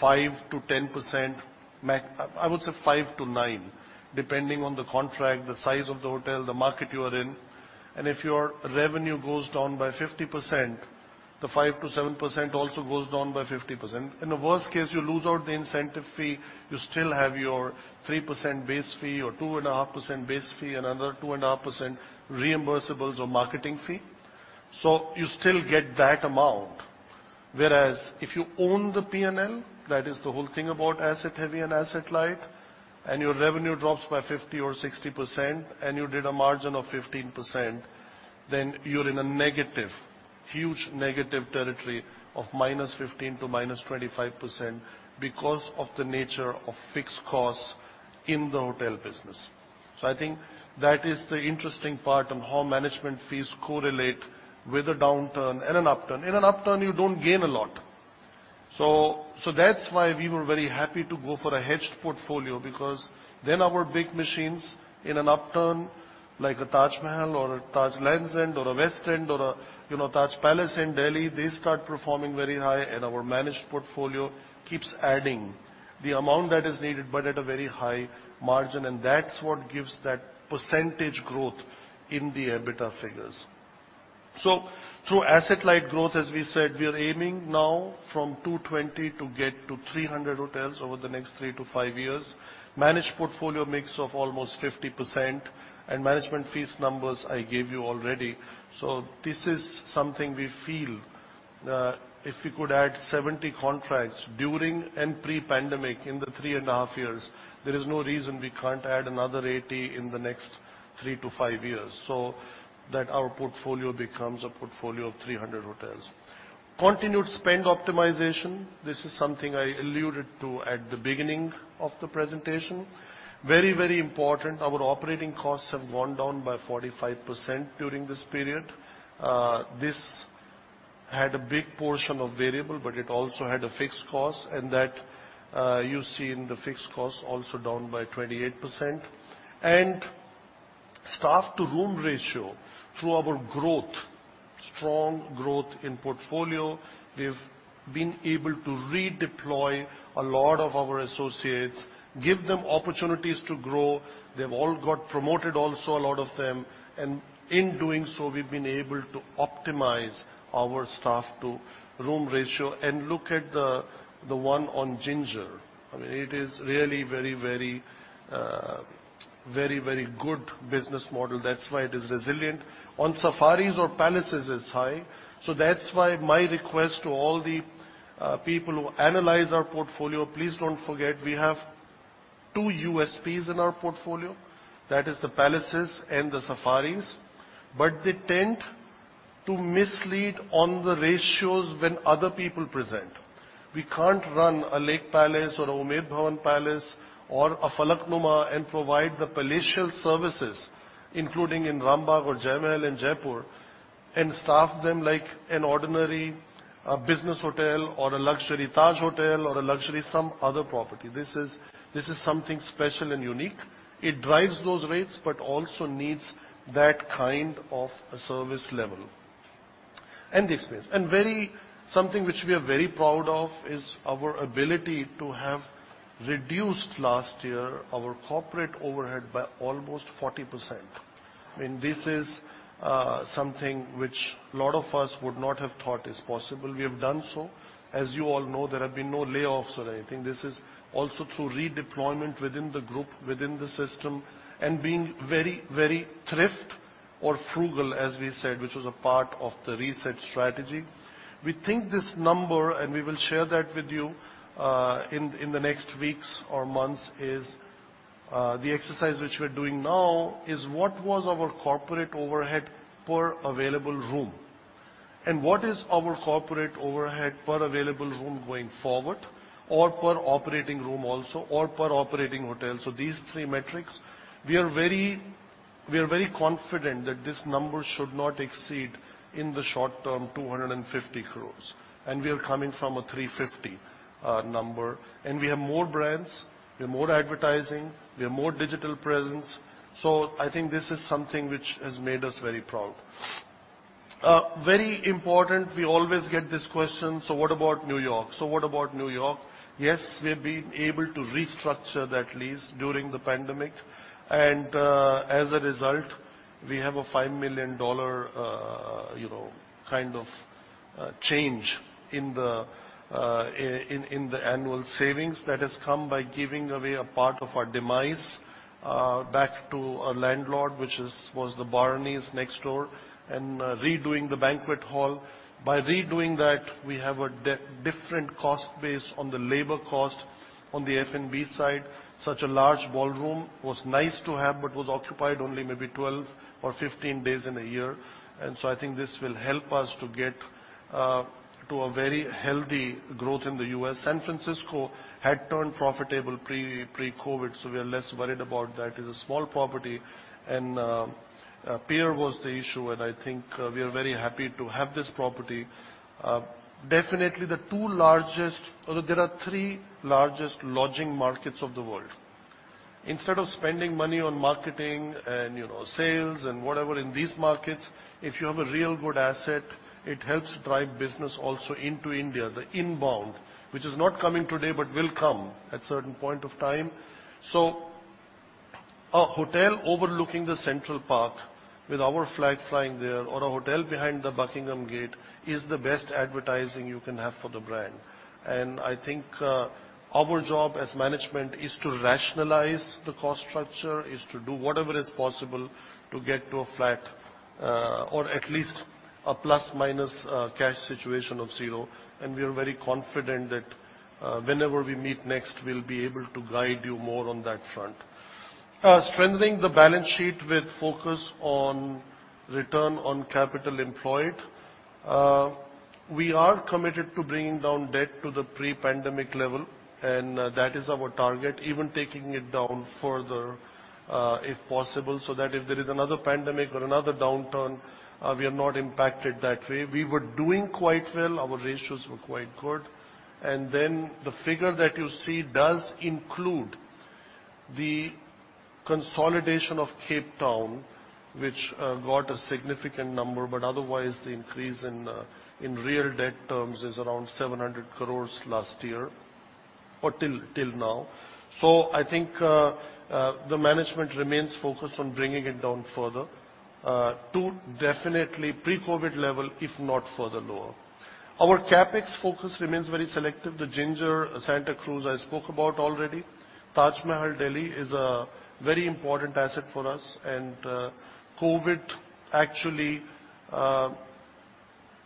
[SPEAKER 2] 5%-10%, I would say 5-9, depending on the contract, the size of the hotel, the market you are in, and if your revenue goes down by 50%, the 5%-7% also goes down by 50%. In the worst case, you lose out the incentive fee. You still have your 3% base fee, your 2.5% base fee, and another 2.5% reimbursables or marketing fee. You still get that amount. Whereas if you own the P&L, that is the whole thing about asset heavy and asset light, and your revenue drops by 50% or 60%, and you did a margin of 15%, then you're in a huge negative territory of -15% to -25% because of the nature of fixed costs in the hotel business. I think that is the interesting part on how management fees correlate with a downturn and an upturn. In an upturn, you don't gain a lot. That's why we were very happy to go for a hedged portfolio, because then our big machines in an upturn, like a Taj Mahal or a Taj Lands End or a Taj West End or a Taj Palace in Delhi, they start performing very high and our managed portfolio keeps adding the amount that is needed, but at a very high margin. That's what gives that percentage growth in the EBITDA figures. Through asset-light growth, as we said, we are aiming now from 220 to get to 300 hotels over the next three to five years. Managed portfolio mix of almost 50% and management fees numbers I gave you already. This is something we feel if we could add 70 contracts during and pre-pandemic in the three and a half years, there is no reason we can't add another 80 in the next three to five years so that our portfolio becomes a portfolio of 300 hotels. Continued spend optimization. This is something I alluded to at the beginning of the presentation. Very important. Our operating costs have gone down by 45% during this period. This had a big portion of variable, but it also had a fixed cost, and that you see in the fixed cost also down by 28%. Staff to room ratio through our strong growth in portfolio, we've been able to redeploy a lot of our associates, give them opportunities to grow. They've all got promoted also, a lot of them, and in doing so, we've been able to optimize our staff to room ratio and look at the one on Ginger. It is really very good business model. That's why it is resilient. On Safaris or Palaces is high. That's why my request to all the people who analyze our portfolio, please don't forget we have two USPs in our portfolio. That is the Palaces and the Safaris. They tend to mislead on the ratios when other people present. We can't run a Lake Palace or a Umaid Bhawan Palace or a Falaknuma and provide the palatial services, including in Rambagh or Jai Mahal in Jaipur, and staff them like an ordinary business hotel or a luxury Taj hotel or a luxury some other property. This is something special and unique. It drives those rates, but also needs that kind of a service level. Something which we are very proud of is our ability to have reduced last year our corporate overhead by almost 40%. This is something which a lot of us would not have thought is possible. We have done so. As you all know, there have been no layoffs or anything. This is also through redeployment within the group, within the system, and being very thrift or frugal, as we said, which was a part of the RESET strategy. We think this number, and we will share that with you in the next weeks or months, is the exercise which we're doing now is what was our corporate overhead per available room and what is our corporate overhead per available room going forward, or per operating room also, or per operating hotel. These three metrics, we are very confident that this number should not exceed, in the short term, 250 crores, and we are coming from an 350 number. We have more brands, we have more advertising, we have more digital presence. I think this is something which has made us very proud. Very important, we always get this question, what about New York? What about New York? Yes, we've been able to restructure that lease during the pandemic, and as a result, we have a $5 million kind of change in the annual savings that has come by giving away a part of our demise back to a landlord, which was the Barneys next door, and redoing the banquet hall. By redoing that, we have a different cost base on the labor cost on the F&B side. Such a large ballroom was nice to have, but was occupied only maybe 12 or 15 days in a year. I think this will help us to get to a very healthy growth in the U.S. San Francisco had turned profitable pre-COVID, so we are less worried about that. It is a small property, and The Pierre was the issue, and I think we are very happy to have this property. There are three largest lodging markets of the world. Instead of spending money on marketing and sales and whatever in these markets, if you have a real good asset, it helps to drive business also into India, the inbound, which is not coming today, but will come at a certain point of time. A hotel overlooking the Central Park with our flag flying there or a hotel behind the Buckingham Gate is the best advertising you can have for the brand. I think our job as management is to rationalize the cost structure, is to do whatever is possible to get to a flat or at least a plus-minus cash situation of 0. We are very confident that whenever we meet next, we'll be able to guide you more on that front. Strengthening the balance sheet with focus on return on capital employed. We are committed to bringing down debt to the pre-pandemic level. That is our target, even taking it down further, if possible, so that if there is another pandemic or another downturn, we are not impacted that way. We were doing quite well. Our ratios were quite good. The figure that you see does include the consolidation of Cape Town, which got a significant number, but otherwise, the increase in real debt terms is around 700 crore last year or till now. I think the management remains focused on bringing it down further to definitely pre-COVID level, if not further lower. Our CapEx focus remains very selective. The Ginger Santa Cruz I spoke about already. Taj Mahal, New Delhi is a very important asset for us, COVID actually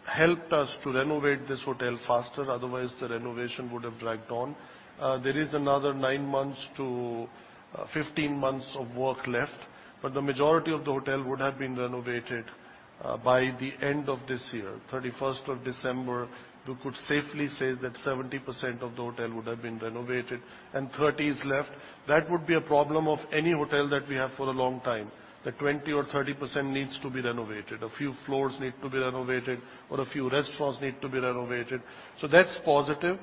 [SPEAKER 2] helped us to renovate this hotel faster. Otherwise, the renovation would have dragged on. There is another nine months to 15 months of work left, but the majority of the hotel would have been renovated by the end of this year. 31st of December, we could safely say that 70% of the hotel would have been renovated and 30% is left. That would be a problem of any hotel that we have for a long time, that 20% or 30% needs to be renovated. A few floors need to be renovated or a few restaurants need to be renovated. That's positive.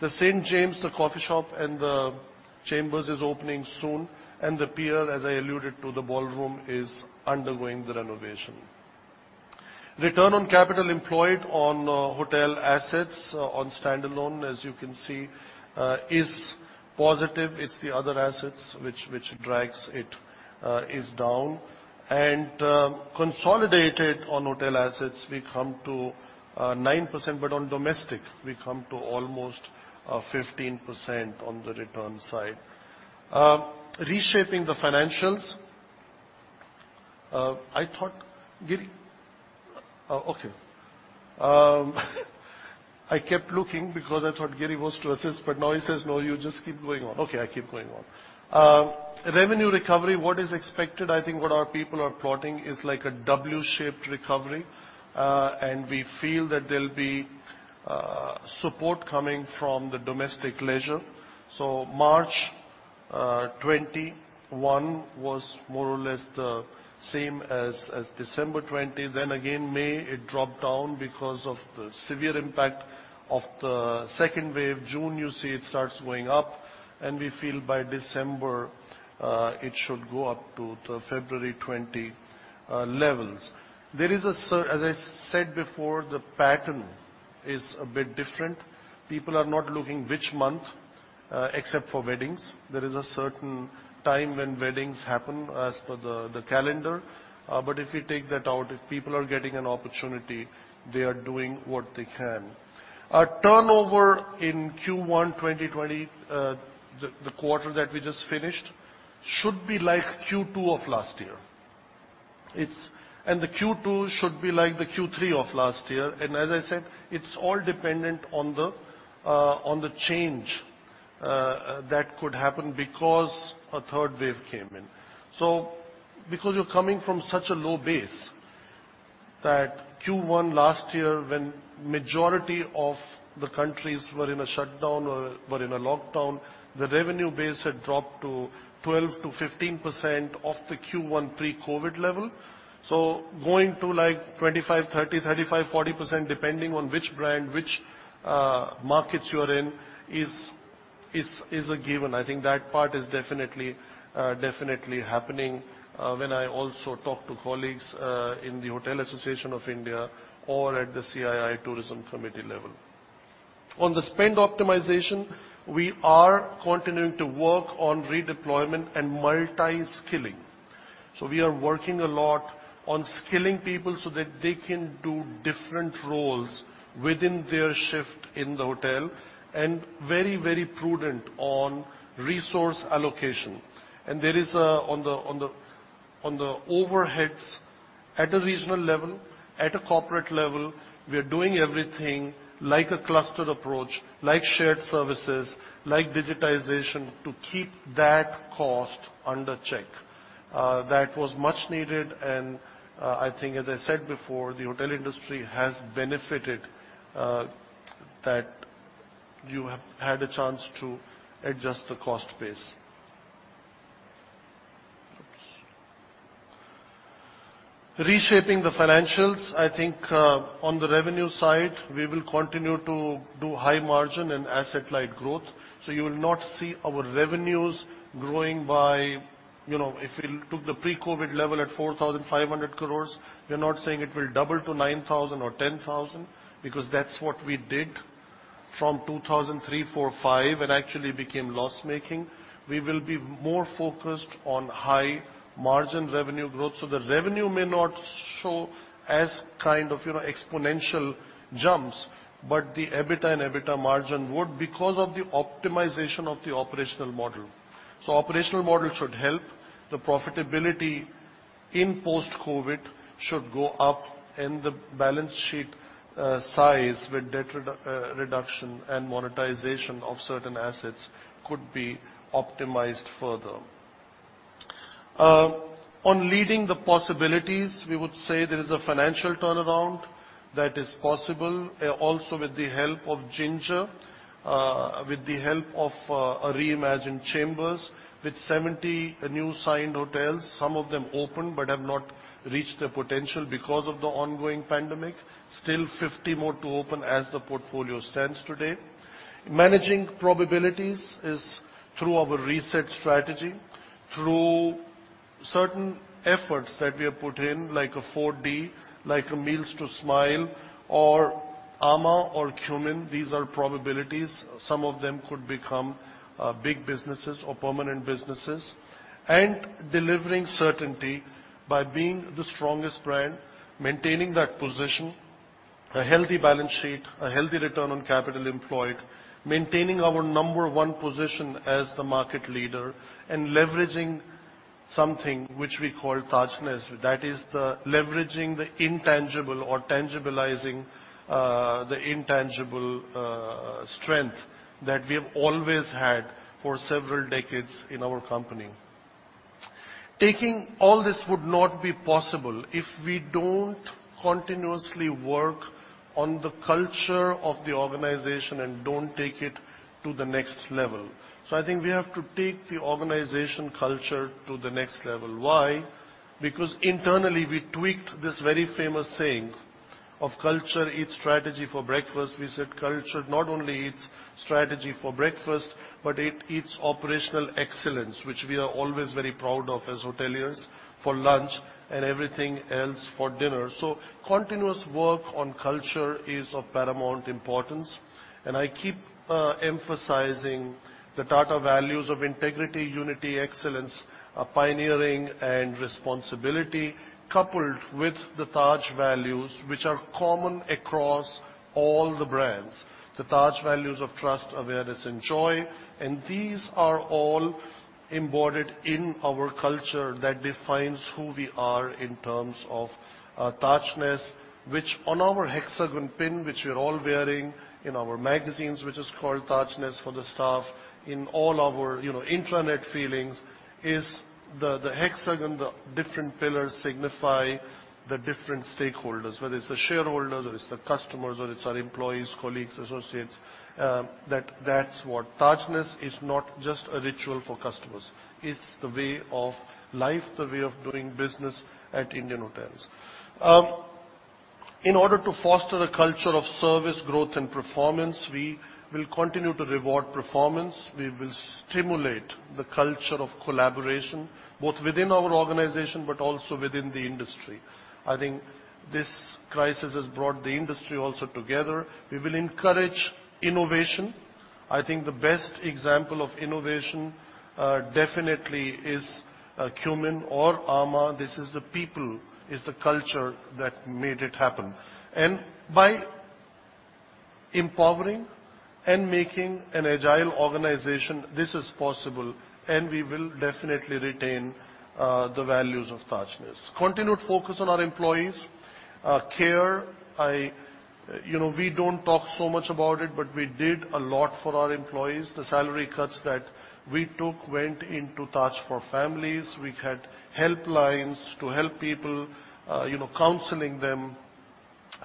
[SPEAKER 2] The St. James' Court, the coffee shop, and The Chambers is opening soon, and The Pierre, as I alluded to, the ballroom, is undergoing the renovation. Return on capital employed on hotel assets on standalone, as you can see, is positive. It's the other assets which drags it is down. Consolidated on hotel assets, we come to 9%, but on domestic, we come to almost 15% on the return side. Reshaping the financials. I thought, Giri. Okay. I kept looking because I thought Giri was to assist, now he says, "No, you just keep going on." Okay, I keep going on. Revenue recovery, what is expected, I think what our people are plotting is like a W-shaped recovery, we feel that there'll be support coming from the domestic leisure. March 2021 was more or less the same as December 2020. Again, May, it dropped down because of the severe impact of the second wave. June, you see it starts going up, we feel by December, it should go up to the February 2020 levels. As I said before, the pattern is a bit different. People are not looking which month except for weddings. There is a certain time when weddings happen as per the calendar. If you take that out, if people are getting an opportunity, they are doing what they can. Our turnover in Q1 2020, the quarter that we just finished, should be like Q2 of last year. The Q2 should be like the Q3 of last year. As I said, it's all dependent on the change that could happen because a third wave came in. Because you're coming from such a low base that Q1 last year, when majority of the countries were in a shutdown or were in a lockdown, the revenue base had dropped to 12%-15% of the Q1 pre-COVID level. Going to 25%, 30%, 35%, 40%, depending on which brand, which markets you are in, is a given. I think that part is definitely happening when I also talk to colleagues in the Hotel Association of India or at the CII Tourism Committee level. On the spend optimization, we are continuing to work on redeployment and multi-skilling. We are working a lot on skilling people so that they can do different roles within their shift in the hotel and very prudent on resource allocation. On the overheads at a regional level, at a corporate level, we are doing everything like a clustered approach, like shared services, like digitization to keep that cost under check. That was much needed and I think, as I said before, the hotel industry has benefited that you had a chance to adjust the cost base. Oops. Reshaping the financials, I think on the revenue side, we will continue to do high margin and asset-light growth. You will not see our revenues growing by, if we took the pre-COVID level at 4,500 crores, we are not saying it will double to 9,000 crores or 10,000 crores, because that's what we did from 2003, 2004, 2005, and actually became loss-making. We will be more focused on high margin revenue growth. The revenue may not show as exponential jumps, but the EBITDA and EBITDA margin would because of the optimization of the operational model. Operational model should help the profitability in post-COVID should go up and the balance sheet size with debt reduction and monetization of certain assets could be optimized further. On leading the possibilities, we would say there is a financial turnaround that is possible, also with the help of Ginger, with the help of a reimagined The Chambers, with 70 new signed hotels, some of them open but have not reached their potential because of the ongoing pandemic. Still 50 more to open as the portfolio stands today. Managing probabilities is through our RESET strategy, through certain efforts that we have put in, like a 4D, like a Meals to Smiles or amã or Qmin. These are probabilities. Some of them could become big businesses or permanent businesses. Delivering certainty by being the strongest brand, maintaining that position, a healthy balance sheet, a healthy return on capital employed, maintaining our number one position as the market leader, and leveraging something which we call Tajness. That is leveraging the intangible or tangibilizing the intangible strength that we have always had for several decades in our company. Taking all this would not be possible if we don't continuously work on the culture of the organization and don't take it to the next level. I think we have to take the organization culture to the next level. Why? Because internally, we tweaked this very famous saying of culture eats strategy for breakfast. We said culture not only eats strategy for breakfast, but it eats operational excellence, which we are always very proud of as hoteliers for lunch and everything else for dinner. Continuous work on culture is of paramount importance, and I keep emphasizing the Tata values of integrity, unity, excellence, pioneering, and responsibility, coupled with the Taj values, which are common across all the brands. The Taj values of Trust, Awareness, and Joy. These are all embodied in our culture that defines who we are in terms of Tajness, which on our hexagon pin, which we're all wearing in our magazines, which is called Tajness for the staff in all our intranet filings, is the hexagon. The different pillars signify the different stakeholders, whether it's the shareholders, or it's the customers, or it's our employees, colleagues, associates. That's what Tajness is not just a ritual for customers. It's the way of life, the way of doing business at Indian Hotels. In order to foster a culture of service, growth, and performance, we will continue to reward performance. We will stimulate the culture of collaboration, both within our organization but also within the industry. I think this crisis has brought the industry also together. We will encourage innovation. I think the best example of innovation definitely is Qmin or amã. This is the people, it's the culture that made it happen. By empowering and making an agile organization, this is possible, and we will definitely retain the values of Tajness. Continued focus on our employees. Care, we don't talk so much about it, but we did a lot for our employees. The salary cuts that we took went into Taj for Families. We had helplines to help people, counseling them,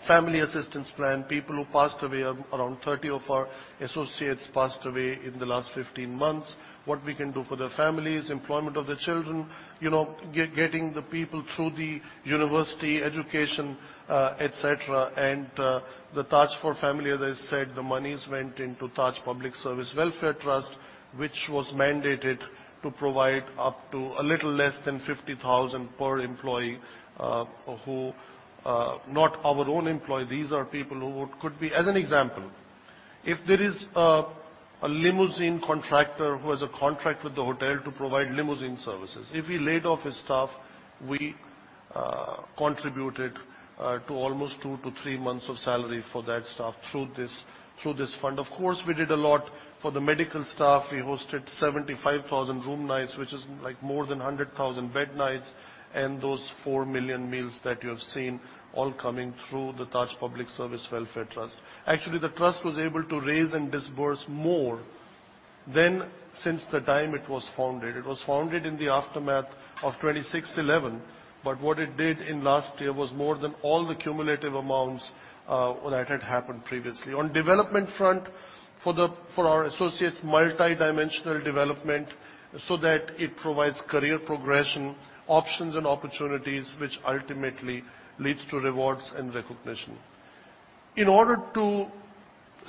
[SPEAKER 2] family assistance plan, people who passed away, around 30 of our associates passed away in the last 15 months. What we can do for their families, employment of their children, getting the people through the university education, et cetera. The Taj for Families, as I said, the monies went into Taj Public Service Welfare Trust, which was mandated to provide up to a little less than 50,000 per employee. As an example, if there is a limousine contractor who has a contract with the hotel to provide limousine services. If he laid off his staff, we contributed to almost two to thre months of salary for that staff through this fund. Of course, we did a lot for the medical staff. We hosted 75,000 room nights, which is more than 100,000 bed nights, and those four million meals that you have seen all coming through the Taj Public Service Welfare Trust. Actually, the trust was able to raise and disburse more than since the time it was founded. It was founded in the aftermath of 26/11, but what it did in last year was more than all the cumulative amounts that had happened previously. On development front, for our associates, multi-dimensional development, so that it provides career progression, options and opportunities, which ultimately leads to rewards and recognition. In order to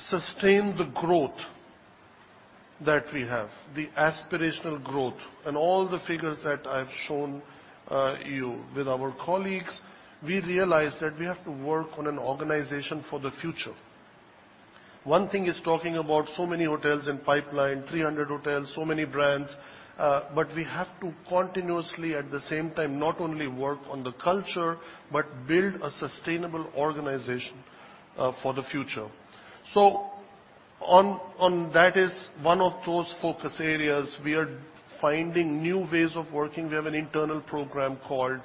[SPEAKER 2] sustain the growth that we have, the aspirational growth, and all the figures that I've shown you with our colleagues, we realized that we have to work on an organization for the future. One thing is talking about so many hotels in pipeline, 300 hotels, so many brands. We have to continuously, at the same time, not only work on the culture, but build a sustainable organization for the future. On that is one of those focus areas. We are finding new ways of working. We have an internal program called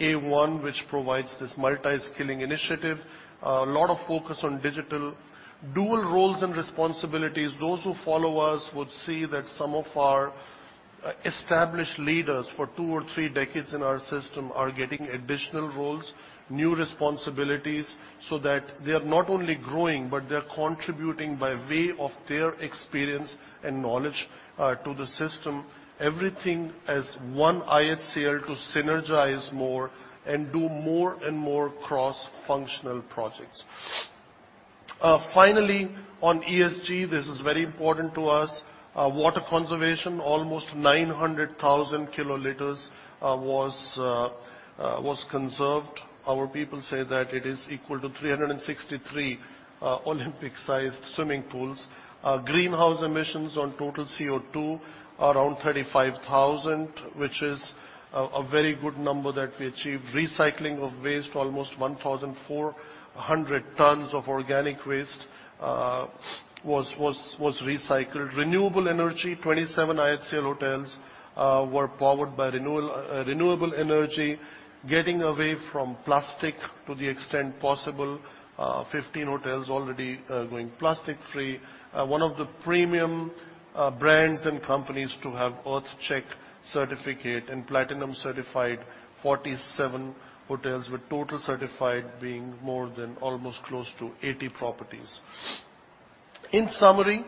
[SPEAKER 2] A-1, which provides this multi-skilling initiative. A lot of focus on digital. Dual roles and responsibilities. Those who follow us would see that some of our established leaders for two or three decades in our system are getting additional roles, new responsibilities, so that they are not only growing, but they are contributing by way of their experience and knowledge to the system. Everything as one IHCL to synergize more and do more and more cross-functional projects. Finally, on ESG, this is very important to us. Water conservation, almost 900,000 kiloliters was conserved. Our people say that it is equal to 363 Olympic-sized swimming pools. Greenhouse emissions on total CO2, around 35,000, which is a very good number that we achieved. Recycling of waste, almost 1,400 tons of organic waste was recycled. Renewable energy, 27 IHCL hotels were powered by renewable energy. Getting away from plastic to the extent possible, 15 hotels already going plastic free. One of the premium brands and companies to have EarthCheck certificate and platinum certified 47 hotels, with total certified being more than almost close to 80 properties. In summary,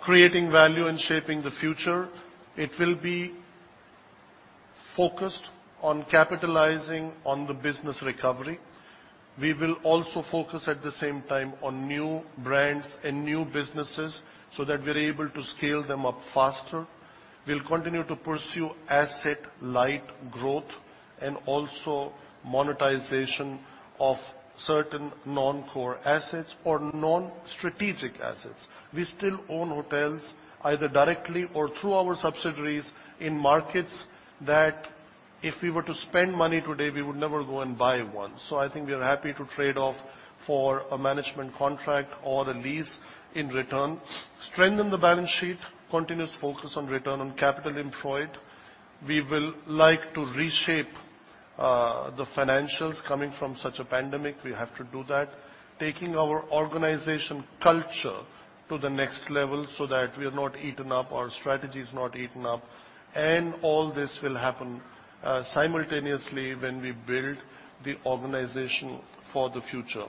[SPEAKER 2] creating value and shaping the future, it will be focused on capitalizing on the business recovery. We will also focus at the same time on new brands and new businesses so that we're able to scale them up faster. We'll continue to pursue asset-light growth and also monetization of certain non-core assets or non-strategic assets. We still own hotels either directly or through our subsidiaries in markets that if we were to spend money today, we would never go and buy one. I think we're happy to trade off for a management contract or a lease in return. Strengthen the balance sheet, continuous focus on return on capital employed. We will like to reshape the financials coming from such a pandemic, we have to do that. Taking our organization culture to the next level so that we're not eaten up, our strategy is not eaten up, All this will happen simultaneously when we build the organization for the future.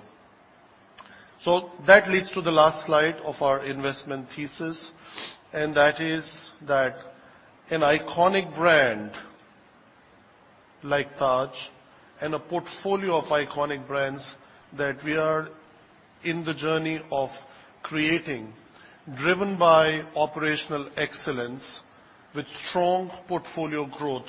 [SPEAKER 2] That leads to the last slide of our investment thesis, That is that an iconic brand like Taj and a portfolio of iconic brands that we are in the journey of creating, driven by operational excellence with strong portfolio growth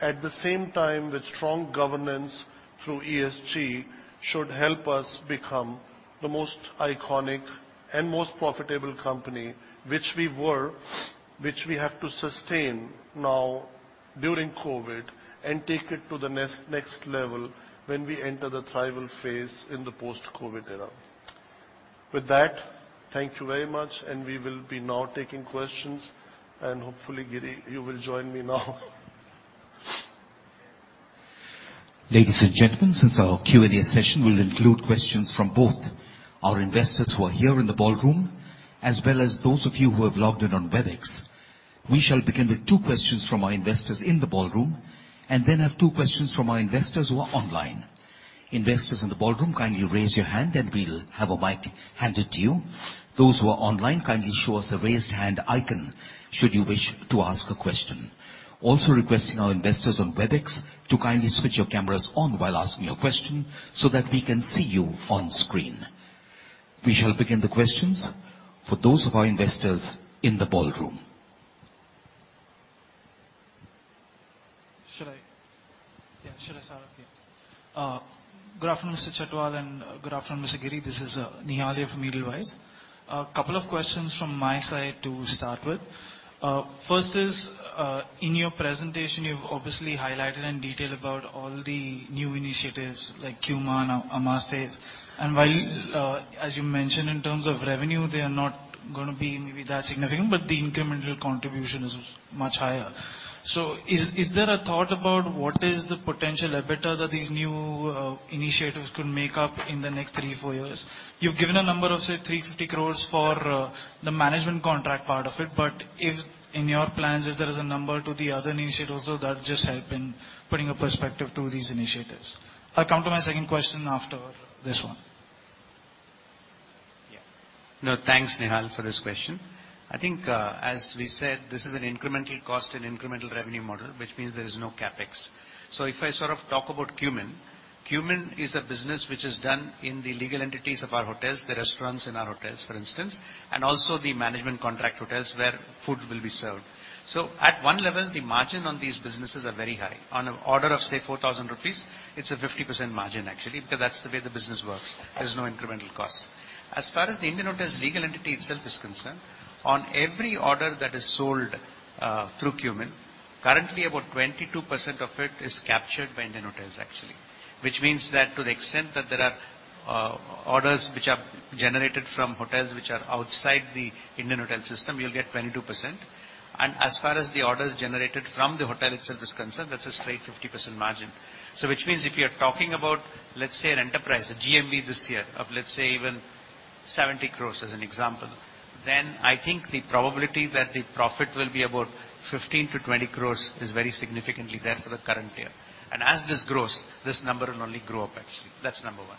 [SPEAKER 2] At the same time, the strong governance through ESG should help us become the most iconic and most profitable company, which we were, which we have to sustain now during COVID, and take it to the next level when we enter the thriving phase in the post-COVID era. With that, thank you very much, and we will be now taking questions, and hopefully, Giri, you will join me now.
[SPEAKER 3] Ladies and gentlemen, since our Q&A session will include questions from both our investors who are here in the ballroom, as well as those of you who have logged in on Webex, we shall begin with two questions from our investors in the ballroom, and then have two questions from our investors who are online. Investors in the ballroom, kindly raise your hand, and we'll have a mic handed to you. Those who are online, kindly show us a raised hand icon should you wish to ask a question. Also requesting our investors on Webex to kindly switch your cameras on while asking your question so that we can see you on screen. We shall begin the questions for those of our investors in the ballroom.
[SPEAKER 4] Should I start? Yes. Good afternoon, Mr. Chhatwal, good afternoon, Mr. Giri. This is Nihal from Edelweiss. A couple of questions from my side to start with. First is, in your presentation, you've obviously highlighted in detail about all the new initiatives like Qmin and amã, while, as you mentioned in terms of revenue, they are not going to be that significant, the incremental contribution is much higher. Is there a thought about what is the potential EBITDA that these new initiatives could make up in the next three, four years? You've given a number of, say, 350 crore for the management contract part of it. If in your plans there is a number to the other initiatives also that just help in putting a perspective to these initiatives. I'll come to my second question after this one.
[SPEAKER 5] No, thanks, Nihal, for this question. I think, as we said, this is an incremental cost and incremental revenue model, which means there is no CapEx. If I sort of talk about QMIN is a business which is done in the legal entities of our hotels, the restaurants in our hotels, for instance, and also the management contract hotels where food will be served. At 1 level, the margin on these businesses are very high. On an order of, say, 4,000 rupees, it's a 50% margin, actually, because that's the way the business works. There's no incremental cost. As far as the Indian Hotels' legal entity itself is concerned, on every order that is sold through QMIN, currently, about 22% of it is captured by Indian Hotels, actually. Which means that to the extent that there are orders which are generated from hotels which are outside the Indian Hotels system, you'll get 22%. As far as the orders generated from the hotel itself is concerned, that's a straight 50% margin. Which means if you're talking about, let's say, an enterprise, a GMV this year of let's say even 70 crores as an example, then I think the probability that the profit will be about 15-20 crores is very significantly there for the current year. As this grows, this number will only grow up, actually. That's number one.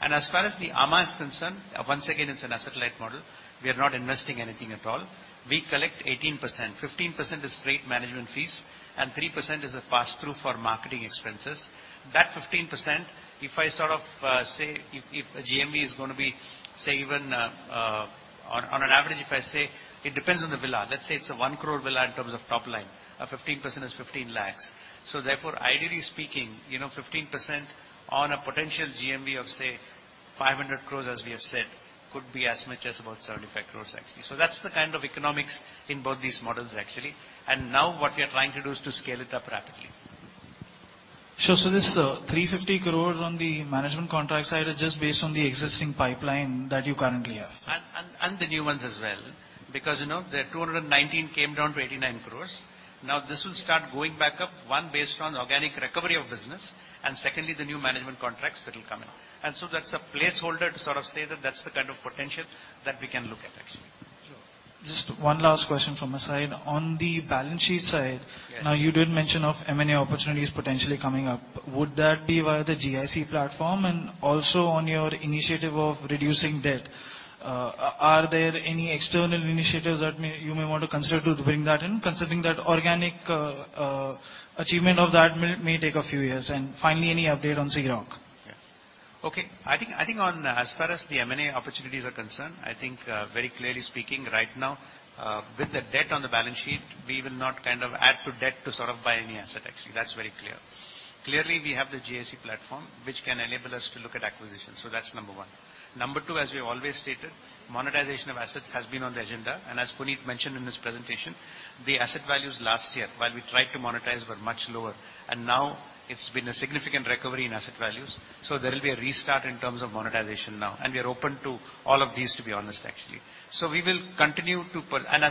[SPEAKER 5] As far as the amã is concerned, once again, it's an asset-light model. We are not investing anything at all. We collect 18%, 15% is straight management fees, and 3% is a passthrough for marketing expenses. That 15%, if I sort of say if the GMV is going to be, say, even on an average if I say it depends on the villa. Let's say it's a 1 crore villa in terms of top line, 15% is 15 lakhs. Therefore, ideally speaking, 15% on a potential GMV of, say, 500 crores, as we have said, could be as much as about 75 crores, actually. Now what we are trying to do is to scale it up rapidly.
[SPEAKER 4] Sure. This 350 crores on the management contract side is just based on the existing pipeline that you currently have?
[SPEAKER 5] The new ones as well, because the 219 crores came down to 189 crores. This will start going back up, one, based on organic recovery of business, and secondly, the new management contracts that will come in. That's a placeholder to sort of say that that's the kind of potential that we can look at, actually.
[SPEAKER 4] Sure. Just one last question from my side. On the balance sheet side-
[SPEAKER 5] Yes.
[SPEAKER 4] You did mention of M&A opportunities potentially coming up. Would that be via the GIC platform? Also on your initiative of reducing debt, are there any external initiatives that you may want to consider to bring that in, considering that organic achievement of that may take a few years? Finally, any update on SeaRock?
[SPEAKER 5] Yes. Okay. I think as far as the M&A opportunities are concerned, I think very clearly speaking, right now, with the debt on the balance sheet, we will not kind of add to debt to sort of buy any asset, actually. That's very clear. Clearly, we have the GIC platform, which can enable us to look at acquisitions. That's number one. Number two, as we always stated, monetization of assets has been on the agenda. As Puneet mentioned in his presentation, the asset values last year, while we tried to monetize, were much lower, and now it's been a significant recovery in asset values. There will be a restart in terms of monetization now, and we are open to all of these, to be honest, actually. As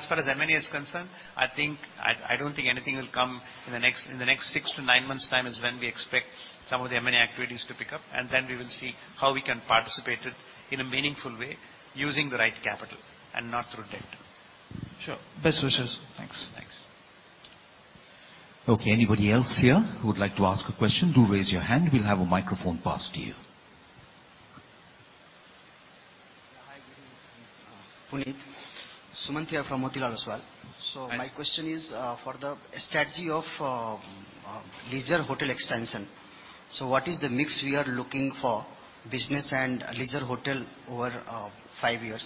[SPEAKER 5] far as M&A is concerned, I don't think anything will come in the next six to nine months' time is when we expect some of the M&A activities to pick up, and then we will see how we can participate it in a meaningful way using the right capital, and not through debt.
[SPEAKER 4] Sure. Best wishes.
[SPEAKER 5] Thanks.
[SPEAKER 3] Okay, anybody else here who would like to ask a question? Do raise your hand. We'll have a microphone passed to you.
[SPEAKER 6] Hi, Giri and Puneet. Sumant here from Motilal Oswal. My question is for the strategy of leisure hotel expansion. What is the mix we are looking for business and leisure hotel over five years?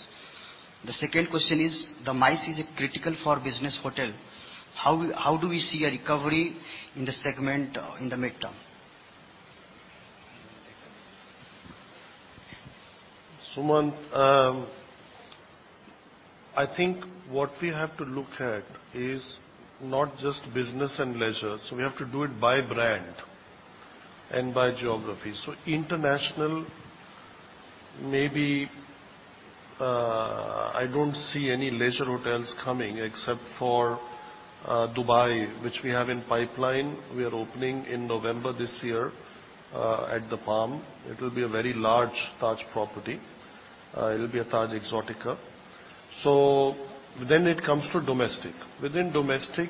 [SPEAKER 6] The second question is, the MICE is critical for business hotel. How do we see a recovery in this segment in the midterm?
[SPEAKER 2] Sumant, I think what we have to look at is not just business and leisure. We have to do it by brand and by geography. International, maybe I don't see any leisure hotels coming except for Dubai, which we have in pipeline. We are opening in November this year, at the Palm. It will be a very large Taj property. It will be a Taj Exotica. It comes to domestic. Within domestic,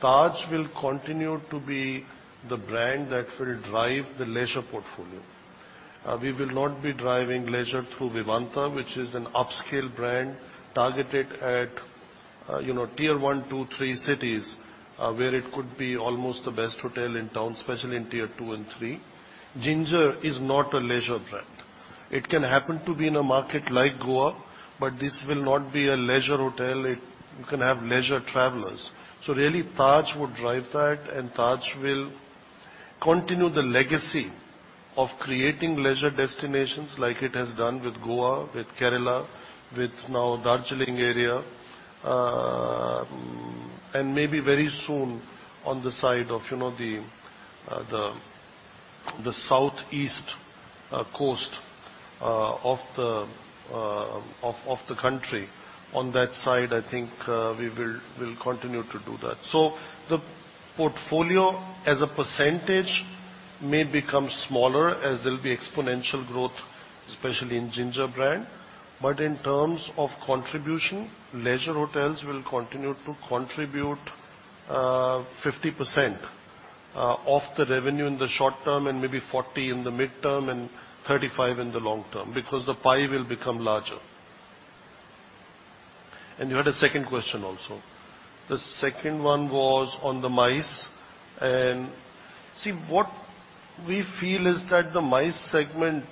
[SPEAKER 2] Taj will continue to be the brand that will drive the leisure portfolio. We will not be driving leisure through Vivanta, which is an upscale brand targeted at tier one, two, three cities, where it could be almost the best hotel in town, especially in tier two and three. Ginger is not a leisure brand. It can happen to be in a market like Goa, this will not be a leisure hotel. You can have leisure travelers. Really Taj would drive that, and Taj will continue the legacy of creating leisure destinations like it has done with Goa, with Kerala, with now Darjeeling area, and maybe very soon on the side of the southeast coast of the country. On that side, I think we will continue to do that. The portfolio as a percentage may become smaller as there will be exponential growth, especially in Ginger brand. In terms of contribution, leisure hotels will continue to contribute 50% of the revenue in the short term and maybe 40% in the midterm and 35% in the long term, because the pie will become larger. You had a second question also. The second one was on the MICE. See, what we feel is that the MICE segment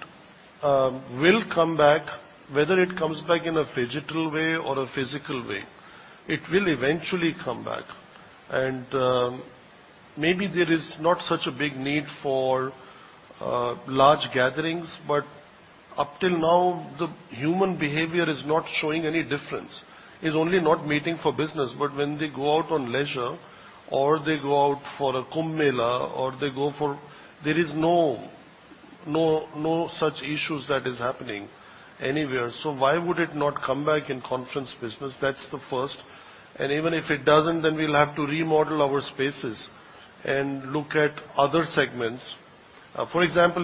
[SPEAKER 2] will come back, whether it comes back in a phygital way or a physical way. It will eventually come back. Maybe there is not such a big need for large gatherings, but up till now, the human behavior is not showing any difference. It's only not meeting for business, but when they go out on leisure or they go out for a Kumbh Mela, there is no such issues that is happening anywhere. Why would it not come back in conference business? That's the first. Even if it doesn't, then we'll have to remodel our spaces and look at other segments. For example,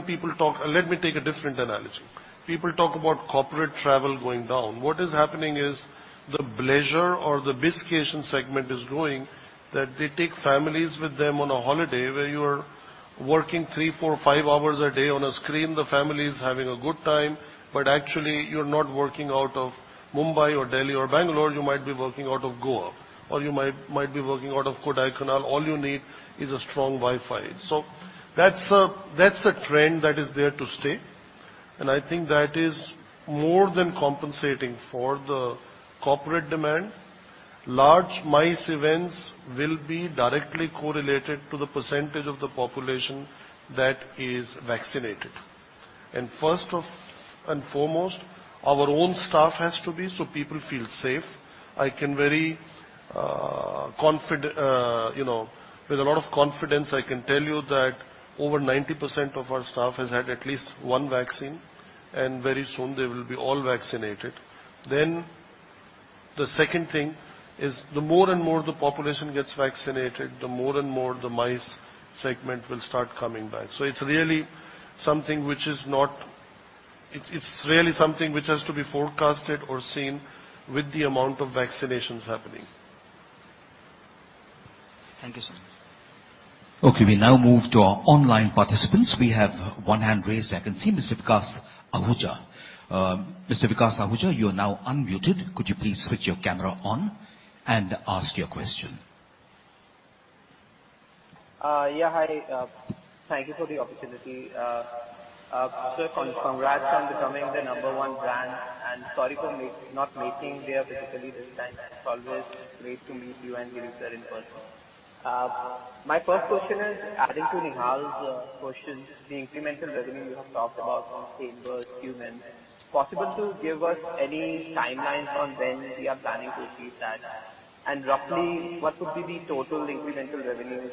[SPEAKER 2] let me take a different analogy. People talk about corporate travel going down. What is happening is the bleisure or the bizcation segment is growing, that they take families with them on a holiday where you are working three, four, five hours a day on a screen. The family is having a good time, but actually you're not working out of Mumbai or Delhi or Bangalore. You might be working out of Goa or you might be working out of Kodaikanal. All you need is a strong Wi-Fi. That's a trend that is there to stay, and I think that is more than compensating for the corporate demand. Large MICE events will be directly correlated to the percentage of the population that is vaccinated. First and foremost, our own staff has to be so people feel safe. With a lot of confidence, I can tell you that over 90% of our staff has had at least one vaccine. Very soon they will be all vaccinated. The second thing is the more and more the population gets vaccinated, the more and more the MICE segment will start coming back. It's really something which has to be forecasted or seen with the amount of vaccinations happening.
[SPEAKER 6] Thank you, sir.
[SPEAKER 1] Okay, we now move to our online participants. We have one hand raised I can see, Mr. Vikas Ahuja. Mr. Vikas Ahuja, you are now unmuted. Could you please switch your camera on and ask your question?
[SPEAKER 7] Yeah, hi. Thank you for the opportunity. Just congrats on becoming the number one brand and sorry for not making there physically this time. It's always great to meet you and your team in person. My first question is adding to Nihal's question, the incremental revenue you have talked about from same versus new mix. Possible to give us any timelines on when we are planning to see that, and roughly what would be the total incremental revenue?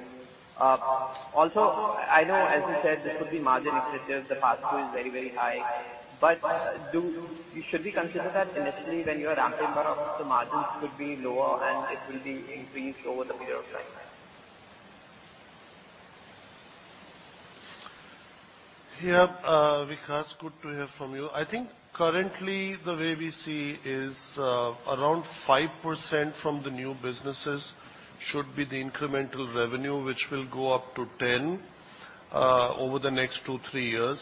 [SPEAKER 7] Also, I know as you said this will be margin-expansive, the Pass-through is very high. Should we consider that initially when you are ramping up the margins could be lower and it will increase over a period of time?
[SPEAKER 2] Vikas, good to hear from you. I think currently the way we see is around 5% from the new businesses should be the incremental revenue, which will go up to 10% over the next two, three years.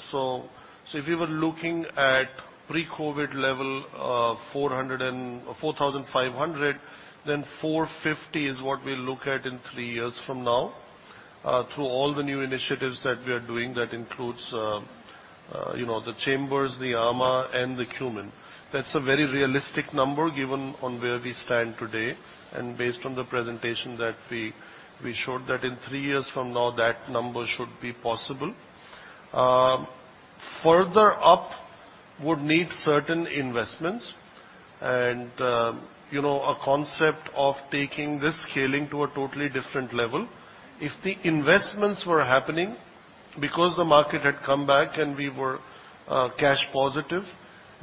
[SPEAKER 2] If you were looking at pre-COVID level 4,500, then 450 is what we look at in three years from now. Through all the new initiatives that we are doing, that includes The Chambers, the amã, and the Qmin. That's a very realistic number given on where we stand today, and based on the presentation that we showed, that in three years from now, that number should be possible. Further up would need certain investments and a concept of taking this scaling to a totally different level. If the investments were happening because the market had come back and we were cash positive,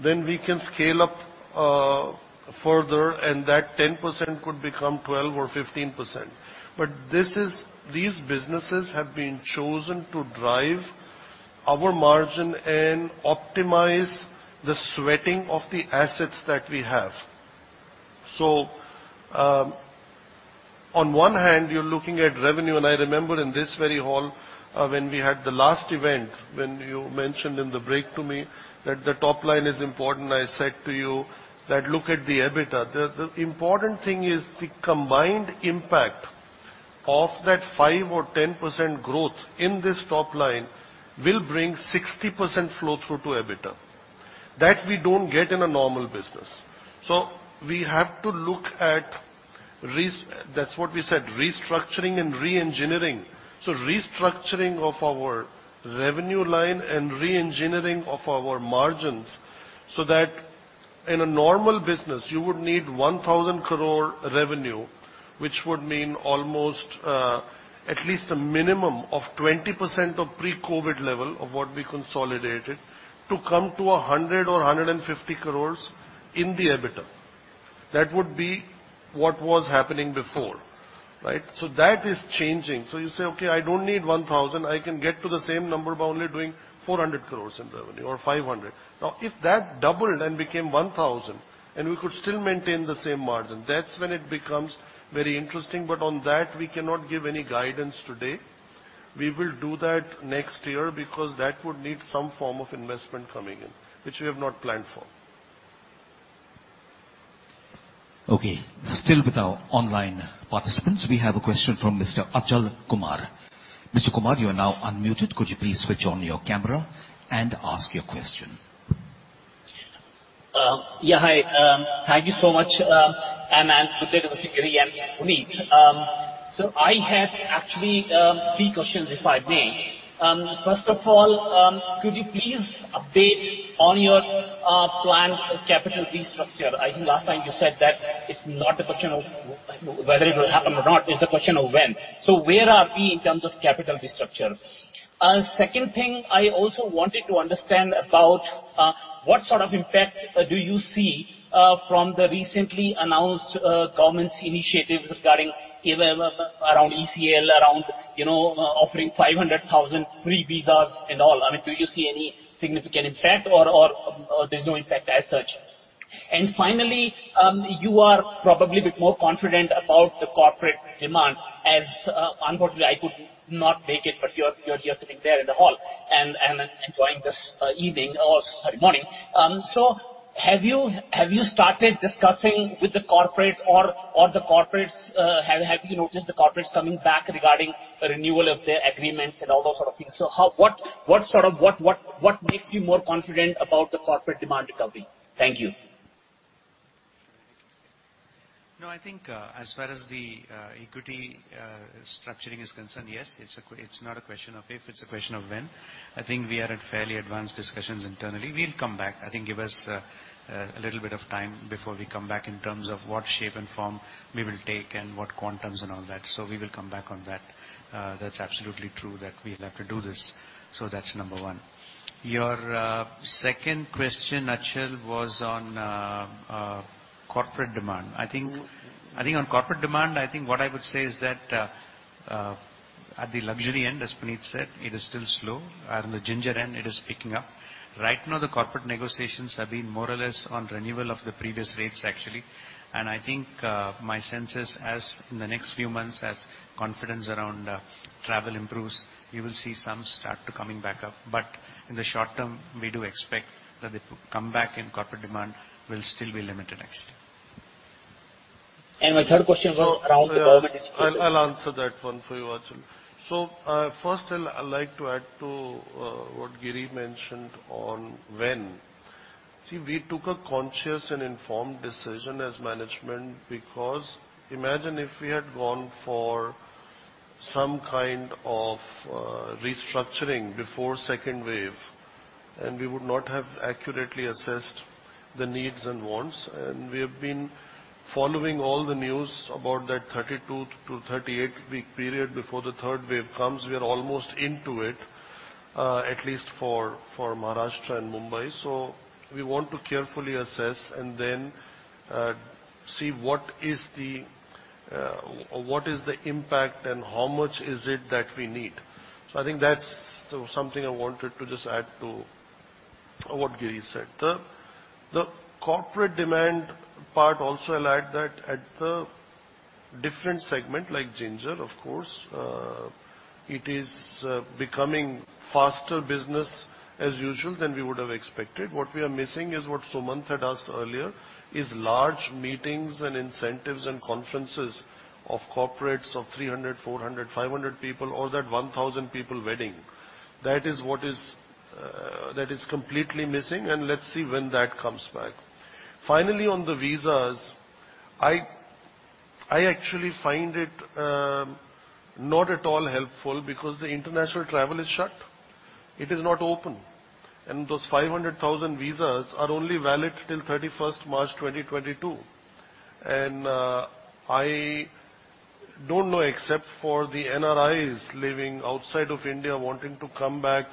[SPEAKER 2] then we can scale up further, and that 10% could become 12% or 15%. These businesses have been chosen to drive our margin and optimize the sweating of the assets that we have. On one hand, you're looking at revenue, and I remember in this very hall when we had the last event, when you mentioned in the break to me that the top line is important, I said to you that look at the EBITDA. The important thing is the combined impact of that 5% or 10% growth in this top line will bring 60% flow-through to EBITDA. That we don't get in a normal business. We have to look at, that's what we said, restructuring and re-engineering. Restructuring of our revenue line and re-engineering of our margins, so that in a normal business, you would need 1,000 crore revenue, which would mean almost at least a minimum of 20% of pre-COVID level of what we consolidated to come to 100 crore or 150 crore in the EBITDA. That would be what was happening before. That is changing. You say, "Okay, I don't need 1,000." I can get to the same number by only doing 400 crore in revenue or 500. If that doubled and became 1,000 and we could still maintain the same margin, that's when it becomes very interesting. On that, we cannot give any guidance today. We will do that next year because that would need some form of investment coming in, which we have not planned for.
[SPEAKER 1] Okay, still with our online participants, we have a question from Mr. Achal Kumar. Mr. Kumar, you are now unmuted. Could you please switch on your camera and ask your question?
[SPEAKER 8] Yeah, hi. Thank you so much, Anant, Sudhir, Giri, and Puneet. I have actually three questions, if I may. First of all, could you please update on your plan for capital restructure? I think last time you said that it's not a question of whether it'll happen or not, it's a question of when. Where are we in terms of capital restructure? Second thing, I also wanted to understand about what sort of impact do you see from the recently announced government's initiatives regarding ECLGS, around offering 500,000 free visas and all. I mean, do you see any significant impact or there's no impact as such? Finally, you are probably a bit more confident about the corporate demand as, unfortunately, I could not make it, but you are sitting there in the hall and enjoying this evening or sorry, morning. Have you started discussing with the corporates or have you noticed the corporates coming back regarding renewal of their agreements and all those sort of things? What makes you more confident about the corporate demand recovery? Thank you.
[SPEAKER 5] I think as far as the equity structuring is concerned, yes, it's not a question of if, it's a question of when. I think we are at fairly advanced discussions internally. We will come back. I think give us a little bit of time before we come back in terms of what shape and form we will take and what quantums and all that. We will come back on that. That's absolutely true that we will have to do this. That's number one. Your second question, Achal, was on corporate demand. I think on corporate demand, I think what I would say is that at the luxury end, as Puneet said, it is still slow. On the Ginger end, it is picking up. Right now, the corporate negotiations have been more or less on renewal of the previous rates, actually. I think my sense is as in the next few months, as confidence around travel improves, you will see some start to coming back up. But in the short term, we do expect that the comeback in corporate demand will still be limited, actually.
[SPEAKER 8] And my third question was around-
[SPEAKER 2] I'll answer that one for you, Achal. First I'd like to add to what Giri mentioned on when. See, we took a conscious and informed decision as management because imagine if we had gone for some kind of restructuring before second wave, and we would not have accurately assessed the needs and wants. We have been following all the news about that 32 to 38-week period before the third wave comes. We are almost into it, at least for Maharashtra and Mumbai. We want to carefully assess and then see what is the impact and how much is it that we need. I think that's something I wanted to just add to what Giri said. The corporate demand part also, I'll add that at the different segment like Ginger, of course, it is becoming faster business as usual than we would have expected. What we are missing is what Sumanth had asked earlier, is large meetings and incentives and conferences of corporates of 300, 400, 500 people, or that 1,000 people wedding. That is what is completely missing, and let's see when that comes back. On the visas, I actually find it not at all helpful because international travel is shut. It is not open. Those 500,000 visas are only valid till 31st March 2022. I don't know, except for the NRIs living outside of India wanting to come back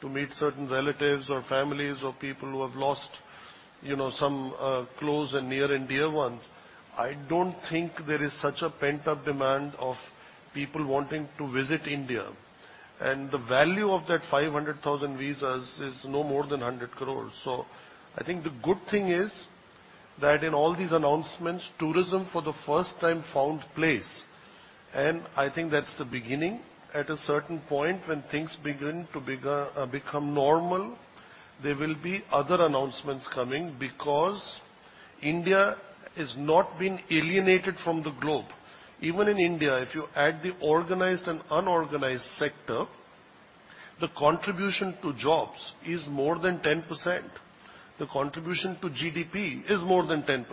[SPEAKER 2] to meet certain relatives or families of people who have lost some close and near and dear ones, I don't think there is such a pent-up demand of people wanting to visit India. The value of that 500,000 visas is no more than 100 crores. I think the good thing is that in all these announcements, tourism for the 1st time found place, and I think that's the beginning. At a certain point, when things begin to become normal, there will be other announcements coming because India has not been alienated from the globe. Even in India, if you add the organized and unorganized sector, the contribution to jobs is more than 10%. The contribution to GDP is more than 10%.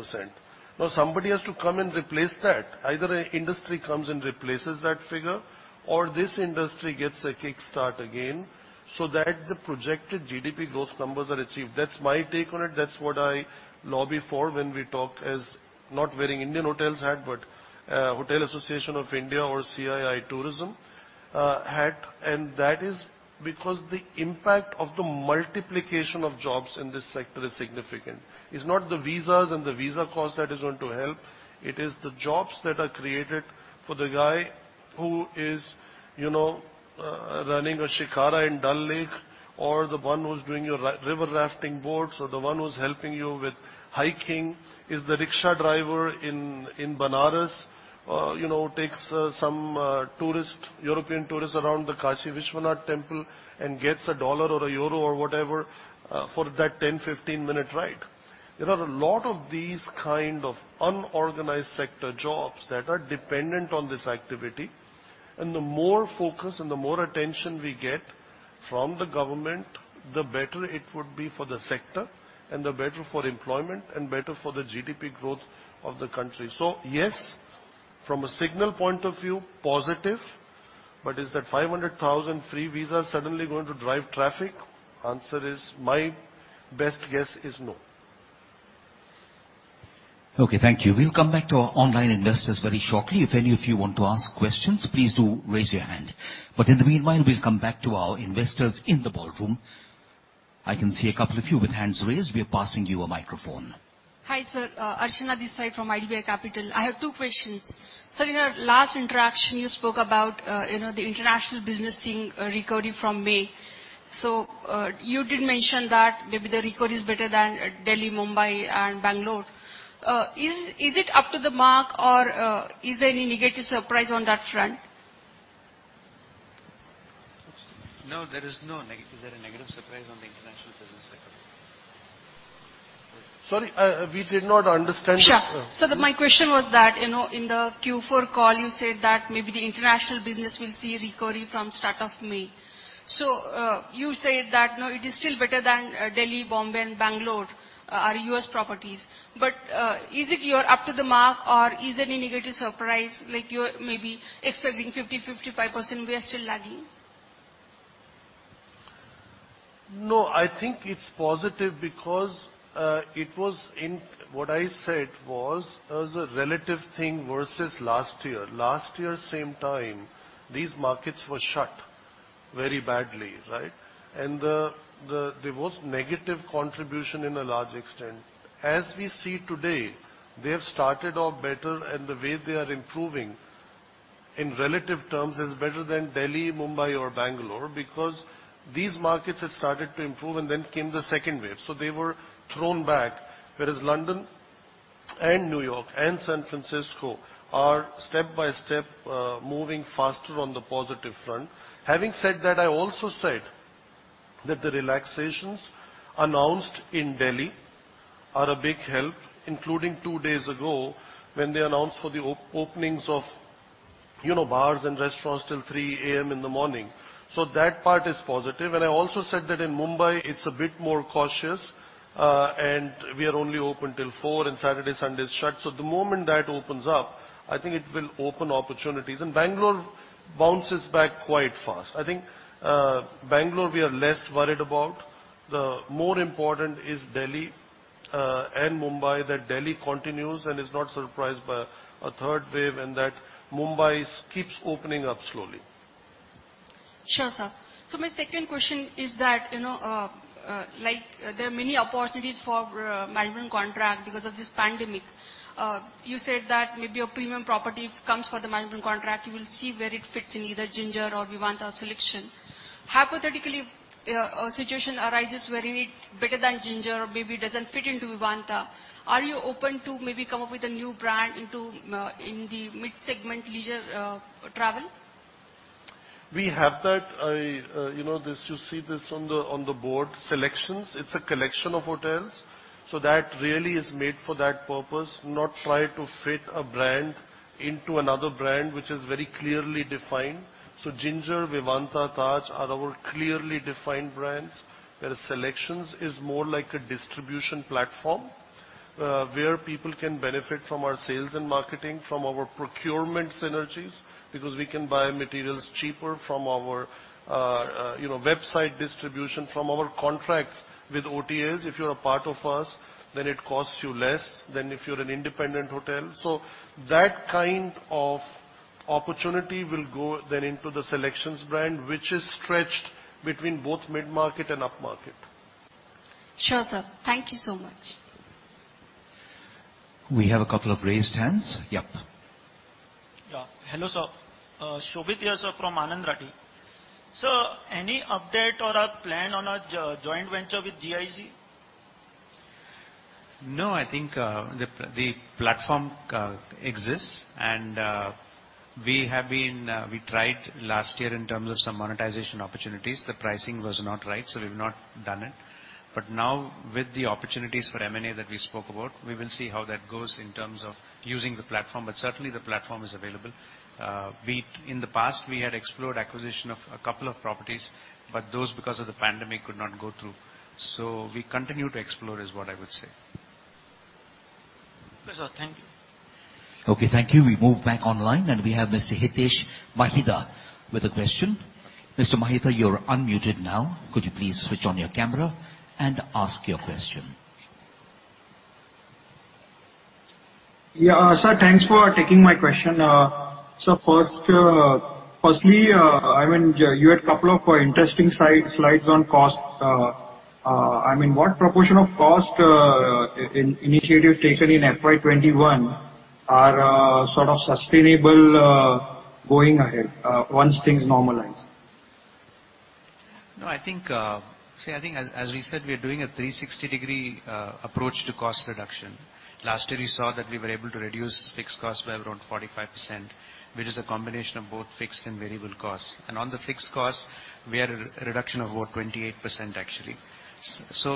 [SPEAKER 2] Somebody has to come and replace that. Either an industry comes and replaces that figure, or this industry gets a kickstart again so that the projected GDP growth numbers are achieved. That's my take on it. That's what I lobby for when we talk as, not wearing Indian Hotels hat, but Hotel Association of India or CII Tourism hat. That is because the impact of the multiplication of jobs in this sector is significant. It's not the visas and the visa cost that is going to help. It is the jobs that are created for the guy who is running a shikara in Dal Lake or the one who's doing your river rafting boats, or the one who's helping you with hiking, is the rickshaw driver in Banaras, takes some European tourist around the Kashi Vishwanath Temple and gets a dollar or a euro or whatever for that 10, 15-minute ride. There are a lot of these kind of unorganized sector jobs that are dependent on this activity, the more focus and the more attention we get from the government, the better it would be for the sector and the better for employment and better for the GDP growth of the country. Yes, from a signal point of view, positive, but is that 500,000 free visas suddenly going to drive traffic? Answer is, my best guess is no.
[SPEAKER 1] Okay, thank you. We'll come back to our online investors very shortly. If any of you want to ask questions, please do raise your hand. In the meanwhile, we'll come back to our investors in the ballroom. I can see a couple of you with hands raised. We're passing you a microphone.
[SPEAKER 9] Hi, sir. Ashina Desai from IDBI Capital. I have two questions. Sir, in our last interaction, you spoke about the international business recovering from May. You did mention that maybe the recovery is better than Delhi, Mumbai, and Bangalore. Is it up to the mark, or is there any negative surprise on that front?
[SPEAKER 2] No, there is no negative. Is there a negative surprise on the international business recovery?
[SPEAKER 5] Sorry, we did not understand.
[SPEAKER 9] Sure. Sir, my question was that, in the Q4 call, you said that maybe the international business will see a recovery from the start of May. You said that now it is still better than Delhi, Mumbai, and Bengaluru, our U.S. properties. Is it up to the mark, or is there any negative surprise, like you're maybe expecting 50%-55% Western landing?
[SPEAKER 2] I think it's positive because what I said was as a relative thing versus last year. Last year, same time, these markets were shut very badly, right? There was negative contribution in a large extent. As we see today, they've started off better, and the way they are improving in relative terms is better than Delhi, Mumbai, or Bangalore because these markets have started to improve, and then came the second wave. They were thrown back. Whereas London and New York and San Francisco are step by step moving faster on the positive front. Having said that, I also said that the relaxations announced in Delhi are a big help, including two days ago when they announced for the openings of bars and restaurants till 3:00 A.M. in the morning. That part is positive, and I also said that in Mumbai it's a bit more cautious, and we are only open till 4:00, and Saturday, Sunday is shut. The moment that opens up, I think it will open opportunities. Bangalore bounces back quite fast. I think Bangalore we are less worried about. More important is Delhi and Mumbai, that Delhi continues and is not surprised by a third wave, and that Mumbai keeps opening up slowly.
[SPEAKER 9] Sure, sir. My second question is that there are many opportunities for management contract because of this pandemic. You said that maybe a premium property comes for the management contract, you will see where it fits in either Ginger or Vivanta SeleQtions. Hypothetically, a situation arises where it is bigger than Ginger or maybe doesn't fit into Vivanta. Are you open to maybe come up with a new brand in the mid-segment leisure travel?
[SPEAKER 2] We have that. You see this on the board, SeleQtions. It's a collection of hotels. That really is made for that purpose, not try to fit a brand into another brand, which is very clearly defined. Ginger, Vivanta, Taj are our clearly defined brands, where SeleQtions is more like a distribution platform, where people can benefit from our sales and marketing, from our procurement synergies, because we can buy materials cheaper from our website distribution, from our contracts with OTAs. If you're a part of us, then it costs you less than if you're an independent hotel. That kind of opportunity will go then into the SeleQtions brand, which is stretched between both mid-market and upmarket.
[SPEAKER 9] Sure, sir. Thank you so much.
[SPEAKER 3] We have a couple of raised hands. Yep.
[SPEAKER 10] Yeah. Hello, sir. Shobhit here, sir, from Anand Rathi. Sir, any update or a plan on a joint venture with GIC?
[SPEAKER 5] No, I think the platform exists, and we tried last year in terms of some monetization opportunities. The pricing was not right, we've not done it. Now with the opportunities for M&A that we spoke about, we will see how that goes in terms of using the platform. Certainly, the platform is available. In the past, we had explored acquisition of a couple of properties, but those, because of the pandemic, could not go through. We continue to explore is what I would say.
[SPEAKER 10] Yes, sir. Thank you.
[SPEAKER 3] Okay, thank you. We move back online, and we have Mr. Hitesh Mahida with a question. Mr. Mahida, you are unmuted now. Could you please switch on your camera and ask your question?
[SPEAKER 11] Yeah, sir. Thanks for taking my question. Sir, firstly, you had a couple of interesting slides on cost. What proportion of cost initiative taken in FY 2021 are sort of sustainable going ahead once things normalize?
[SPEAKER 5] No. See, I think as we said, we are doing a 360-degree approach to cost reduction. Last year, we saw that we were able to reduce fixed cost by around 45%, which is a combination of both fixed and variable costs. On the fixed cost, we had a reduction of over 28%, actually.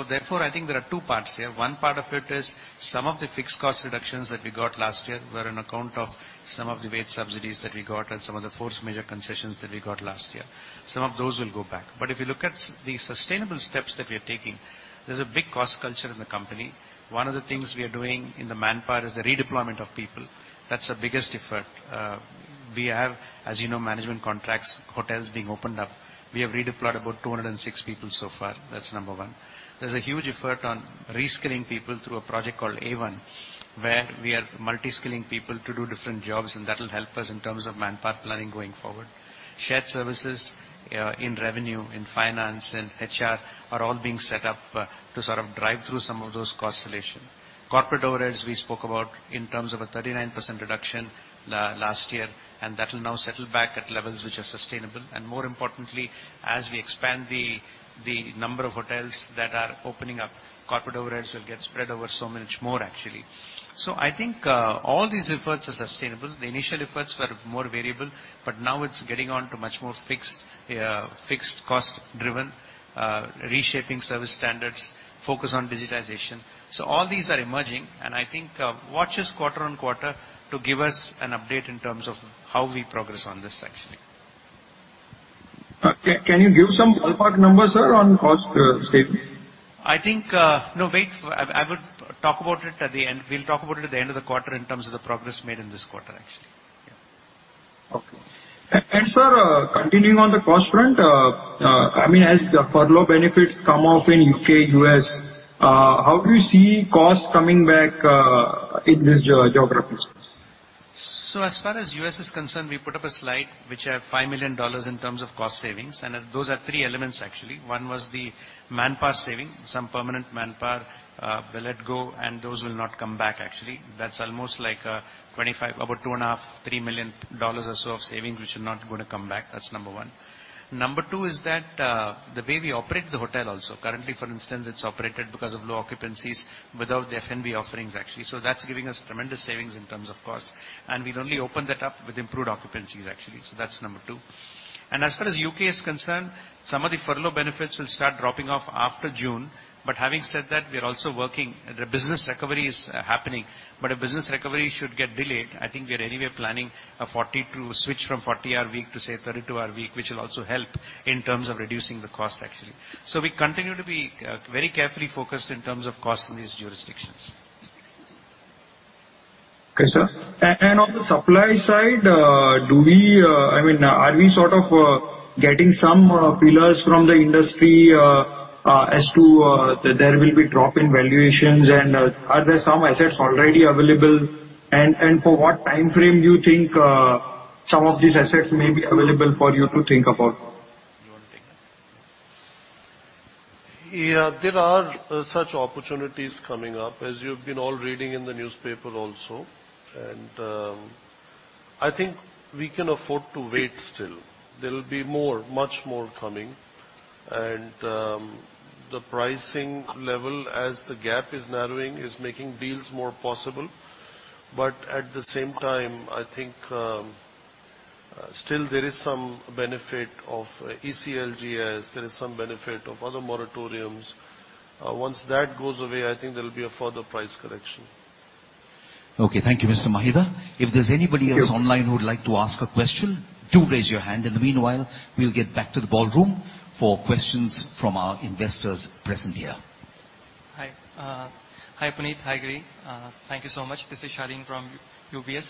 [SPEAKER 5] Therefore, I think there are two parts here. One part of it is some of the fixed cost reductions that we got last year were on account of some of the wage subsidies that we got and some of the force majeure concessions that we got last year. Some of those will go back. If you look at the sustainable steps that we are taking, there's a big cost culture in the company. One of the things we are doing in the manpower is the redeployment of people. That's the biggest effort. We have, as you know, management contracts, hotels being opened up. We have redeployed about 206 people so far. That's number one. There's a huge effort on reskilling people through a project called Ahvaan, where we are multi-skilling people to do different jobs, and that will help us in terms of manpower planning going forward. Shared services in revenue, in finance, and HR are all being set up to sort of drive through some of those cost reductions. Corporate overheads, we spoke about in terms of a 39% reduction last year, and that will now settle back at levels which are sustainable. More importantly, as we expand the number of hotels that are opening up, corporate overheads will get spread over so much more actually. I think all these efforts are sustainable. The initial efforts were more variable, now it's getting on to much more fixed cost-driven, reshaping service standards, focus on digitization. All these are emerging, I think watch us quarter on quarter to give us an update in terms of how we progress on this actually.
[SPEAKER 11] Can you give some ballpark numbers, sir, on cost savings?
[SPEAKER 5] No, wait. I would talk about it at the end. We'll talk about it at the end of the quarter in terms of the progress made in this quarter, actually.
[SPEAKER 11] Okay. Sir, continuing on the cost front, as the furlough benefits come off in U.K., U.S., how do you see costs coming back in these geographies?
[SPEAKER 5] As far as U.S. is concerned, we put up a slide which had $5 million in terms of cost savings, and those are three elements actually. One was the manpower saving. Some permanent manpower were let go, and those will not come back actually. That's almost like $2.5 million, $3 million or so of savings, which are not going to come back. That's number one. Number two is that the way we operate the hotel also. Currently, for instance, it's operated because of low occupancies without the F&B offerings actually. That's giving us tremendous savings in terms of cost, and we'll only open that up with improved occupancies, actually. That's number two. As far as U.K. is concerned, some of the furlough benefits will start dropping off after June. Having said that, we are also working. The business recovery is happening. If business recovery should get delayed, I think we are anyway planning to switch from 40-hour week to, say, 32-hour week, which will also help in terms of reducing the cost actually. We continue to be very carefully focused in terms of cost in these jurisdictions.
[SPEAKER 11] Okay, sir. On the supply side, are we sort of getting some pillars from the industry as to there will be drop in valuations, are there some assets already available? For what time frame do you think some of these assets may be available for you to think about?
[SPEAKER 5] You want to take that?
[SPEAKER 2] Yeah, there are such opportunities coming up, as you've been all reading in the newspaper also. I think we can afford to wait still. There will be much more coming. The pricing level as the gap is narrowing is making deals more possible. At the same time, I think still there is some benefit of ECLGS, there is some benefit of other moratoriums. Once that goes away, I think there'll be a further price correction.
[SPEAKER 3] Okay. Thank you, Mr. Mahendra. If there's anybody else online who would like to ask a question, do raise your hand. In the meanwhile, we'll get back to the ballroom for questions from our investors present here.
[SPEAKER 12] Hi, Puneet. Hi, Giri. Thank you so much. This is Shane from UBS.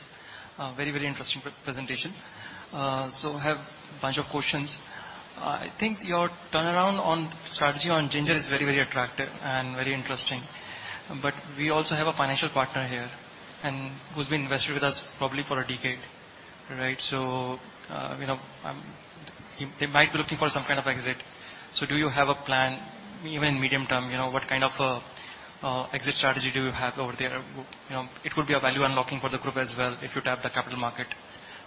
[SPEAKER 12] Very interesting presentation. I have a bunch of questions. I think your turnaround on strategy on Ginger is very attractive and very interesting. We also have a financial partner here and who's been invested with us probably for a decade, right? They might be looking for some kind of exit. Do you have a plan, even medium-term, what kind of exit strategy do you have over there? It could be a value unlocking for the group as well if you tap the capital market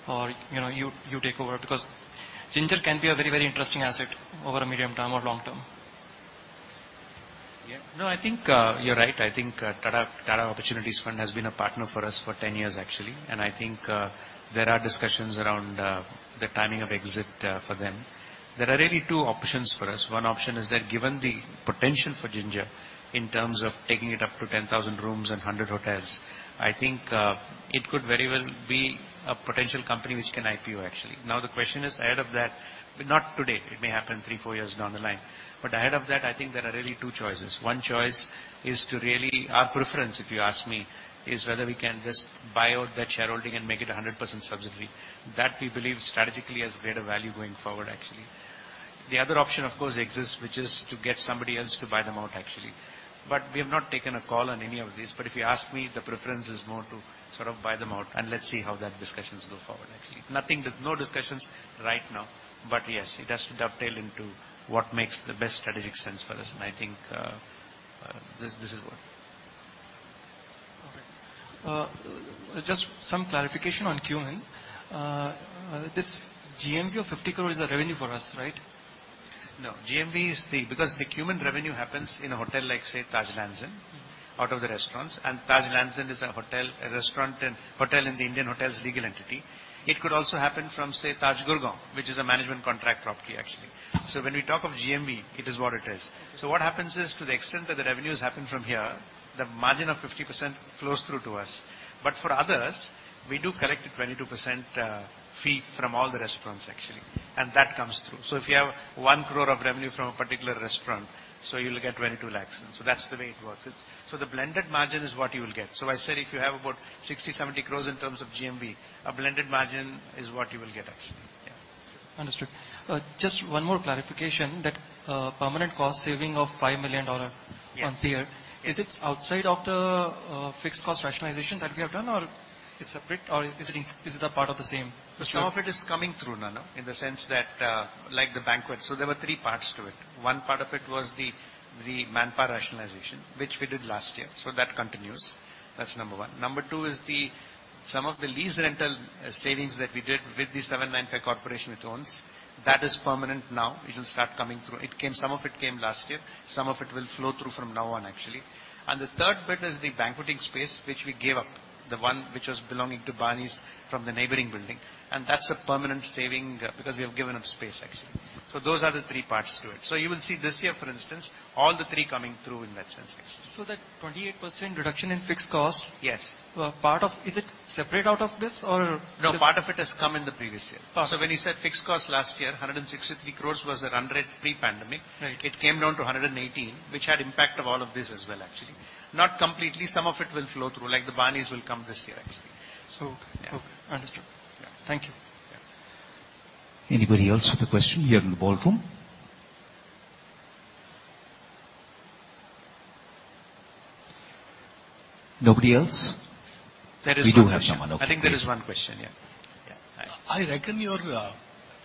[SPEAKER 12] or you take over, because Ginger can be a very interesting asset over a medium term or long term.
[SPEAKER 2] Yeah. No, I think you're right. I think Tata Opportunities Fund has been a partner for us for 10 years, actually. I think there are discussions around the timing of exit for them. There are really two options for us. One option is that given the potential for Ginger in terms of taking it up to 10,000 rooms and 100 hotels, I think it could very well be a potential company which can IPO, actually. Now, the question is ahead of that, not today, it may happen three, four years down the line. Ahead of that, I think there are really two choices. One choice is to really, our preference, if you ask me, is whether we can just buy out their shareholding and make it 100% subsidiary. That we believe strategically has greater value going forward, actually.
[SPEAKER 5] The other option, of course, exists, which is to get somebody else to buy them out, actually. We have not taken a call on any of this. If you ask me, the preference is more to sort of buy them out and let's see how that discussions go forward, actually. No discussions right now, but yes, it has to dovetail into what makes the best strategic sense for us, and I think this will work.
[SPEAKER 12] Okay. Just some clarification on Q1. This GMV of 50 crore is a revenue for us, right?
[SPEAKER 5] GMV is the-- Because the Q1 revenue happens in a hotel like say Taj Lands End, out of the restaurants, and Taj Lands End is a hotel and restaurant in the Indian Hotels legal entity. It could also happen from, say, Taj Gurugram, which is a management contract property, actually. When we talk of GMV, it is what it is. What happens is to the extent that the revenues happen from here, the margin of 50% flows through to us. For others, we do collect a 22% fee from all the restaurants, actually, and that comes through. If you have 1 crore of revenue from a particular restaurant, so you'll get 22 lakhs. That's the way it works. The blended margin is what you will get. I said if you have about 60, 70 crores in terms of GMV, a blended margin is what you will get, actually.
[SPEAKER 12] Yeah. Understood. Just one more clarification, that permanent cost saving of $5 million a year.
[SPEAKER 5] Yes.
[SPEAKER 12] Is it outside of the fixed cost rationalization that we have done or is it part of the same?
[SPEAKER 5] Some of it is coming through now, in the sense that like the banquet. There were three parts to it. One part of it was the manpower rationalization, which we did last year. That continues. That's number one. Number two is some of the lease rental savings that we did with the 795 Fifth Avenue Corporation it owns. That is permanent now. It will start coming through. Some of it came last year. Some of it will flow through from now on, actually. The third bit is the banqueting space, which we gave up, the one which was belonging to Barneys from the neighboring building. That's a permanent saving because we have given up space, actually. Those are the three parts to it. You will see this year, for instance, all the three coming through in that sense.
[SPEAKER 12] That 28% reduction in fixed cost.
[SPEAKER 5] Yes.
[SPEAKER 12] Is it separate out of this or?
[SPEAKER 5] No, part of it has come in the previous year. When we said fixed cost last year, 163 crores was run rate pre-pandemic.
[SPEAKER 12] Right.
[SPEAKER 5] It came down to 118, which had impact of all of this as well, actually. Not completely. Some of it will flow through, like the Barneys will come this year, actually.
[SPEAKER 12] Okay. Understood.
[SPEAKER 5] Yeah.
[SPEAKER 12] Thank you.
[SPEAKER 1] Anybody else with a question here in the ballroom? Nobody else? We don't have a mic.
[SPEAKER 12] I think there is one question, yeah.
[SPEAKER 2] Yeah.
[SPEAKER 12] I reckon your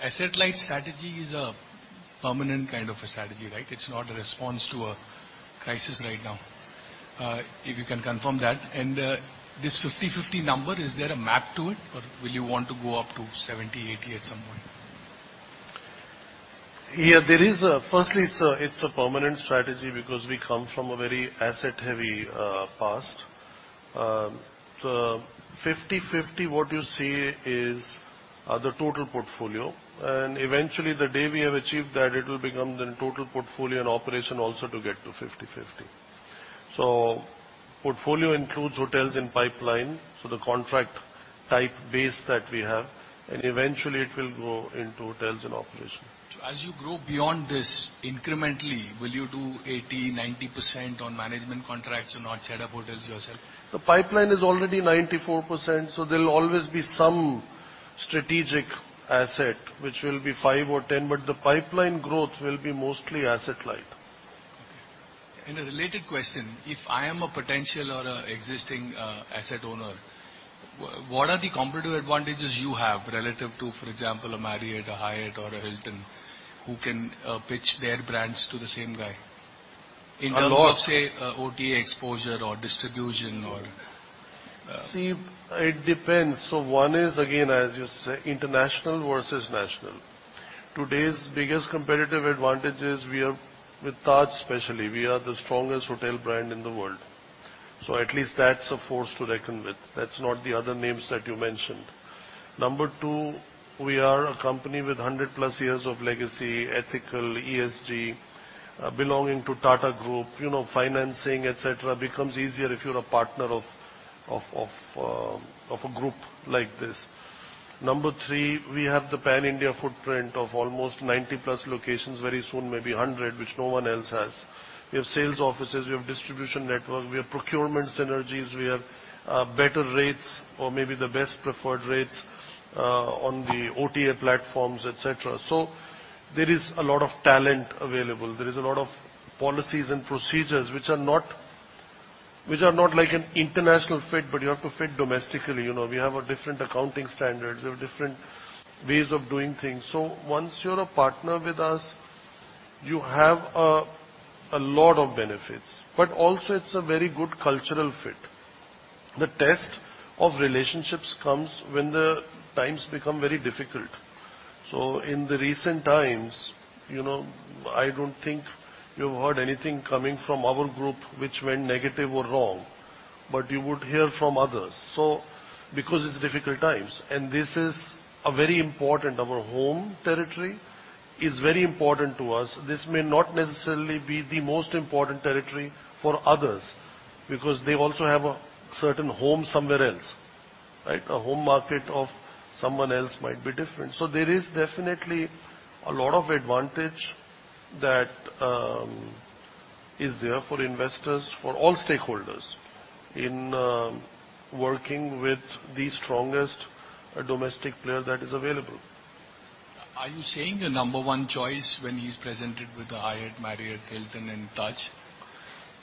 [SPEAKER 12] asset-light strategy is a permanent kind of a strategy, right? It's not a response to a crisis right now. If you can confirm that. This 50/50 number, is there a map to it, or will you want to go up to 70, 80 at some point?
[SPEAKER 2] There is. Firstly, it's a permanent strategy because we come from a very asset-heavy past. The 50/50, what you see is the total portfolio. Eventually, the day we have achieved that, it will become the total portfolio in operation also to get to 50/50. Portfolio includes hotels in pipeline, so the contract type base that we have, and eventually it will go into hotels in operation.
[SPEAKER 12] As you grow beyond this incrementally, will you do 80, 90% on management contracts or not set up hotels yourself?
[SPEAKER 2] The pipeline is already 94%, so there'll always be some strategic asset, which will be five or ten, but the pipeline growth will be mostly asset-light.
[SPEAKER 12] Okay. A related question, if I am a potential or existing asset owner, what are the competitive advantages you have relative to, for example, a Marriott, a Hyatt, or a Hilton who can pitch their brands to the same guy?
[SPEAKER 2] A lot.
[SPEAKER 12] In terms of, say, OTA exposure or distribution or
[SPEAKER 2] See, it depends. One is, again, as you say, international versus national. Today's biggest competitive advantage is with Taj especially, we are the strongest hotel brand in the world. At least that's a force to reckon with. That's not the other names that you mentioned. Number two, we are a company with 100+ years of legacy, ethical, ESG, belonging to Tata Group, financing, et cetera, becomes easier if you're a partner of a group like this. Number three, we have the pan-India footprint of almost 90+ locations, very soon maybe 100, which no one else has. We have sales offices, we have distribution network, we have procurement synergies, we have better rates or maybe the best preferred rates on the OTA platforms, et cetera. There is a lot of talent available. There is a lot of policies and procedures which are not like an international fit, but you have to fit domestically. We have a different accounting standards. We have different ways of doing things. Once you're a partner with us, you have a lot of benefits, but also it's a very good cultural fit. The test of relationships comes when the times become very difficult. In the recent times, I don't think you've heard anything coming from our group which went negative or wrong, but you would hear from others. Because it's difficult times, and this is a very important, our home territory is very important to us. This may not necessarily be the most important territory for others because they also have a certain home somewhere else. A home market of someone else might be different. There is definitely a lot of advantage that is there for investors, for all stakeholders in working with the strongest domestic player that is available.
[SPEAKER 11] Are you saying the number one choice when he's presented with the Hyatt, Marriott, Hilton, and Taj?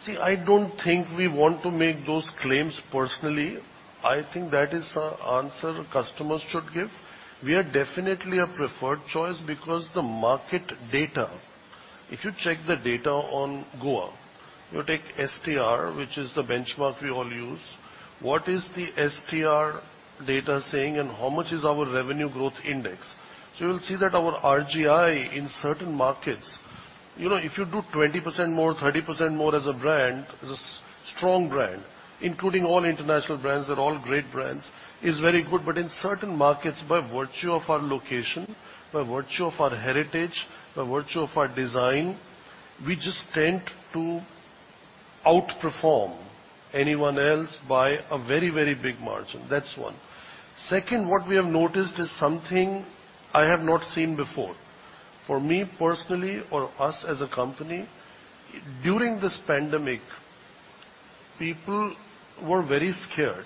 [SPEAKER 2] See, I don't think we want to make those claims personally. I think that is a answer customers should give. We are definitely a preferred choice because the market data, if you check the data on Goa, you take STR, which is the benchmark we all use. What is the STR data saying and how much is our revenue growth index? You'll see that our RGI in certain markets, if you do 20% more, 30% more as a brand, as a strong brand, including all international brands, they're all great brands, is very good. In certain markets, by virtue of our location, by virtue of our heritage, by virtue of our design, we just tend to outperform anyone else by a very big margin. That's 1. Second, what we have noticed is something I have not seen before. For me personally or us as a company, during this pandemic, people were very scared.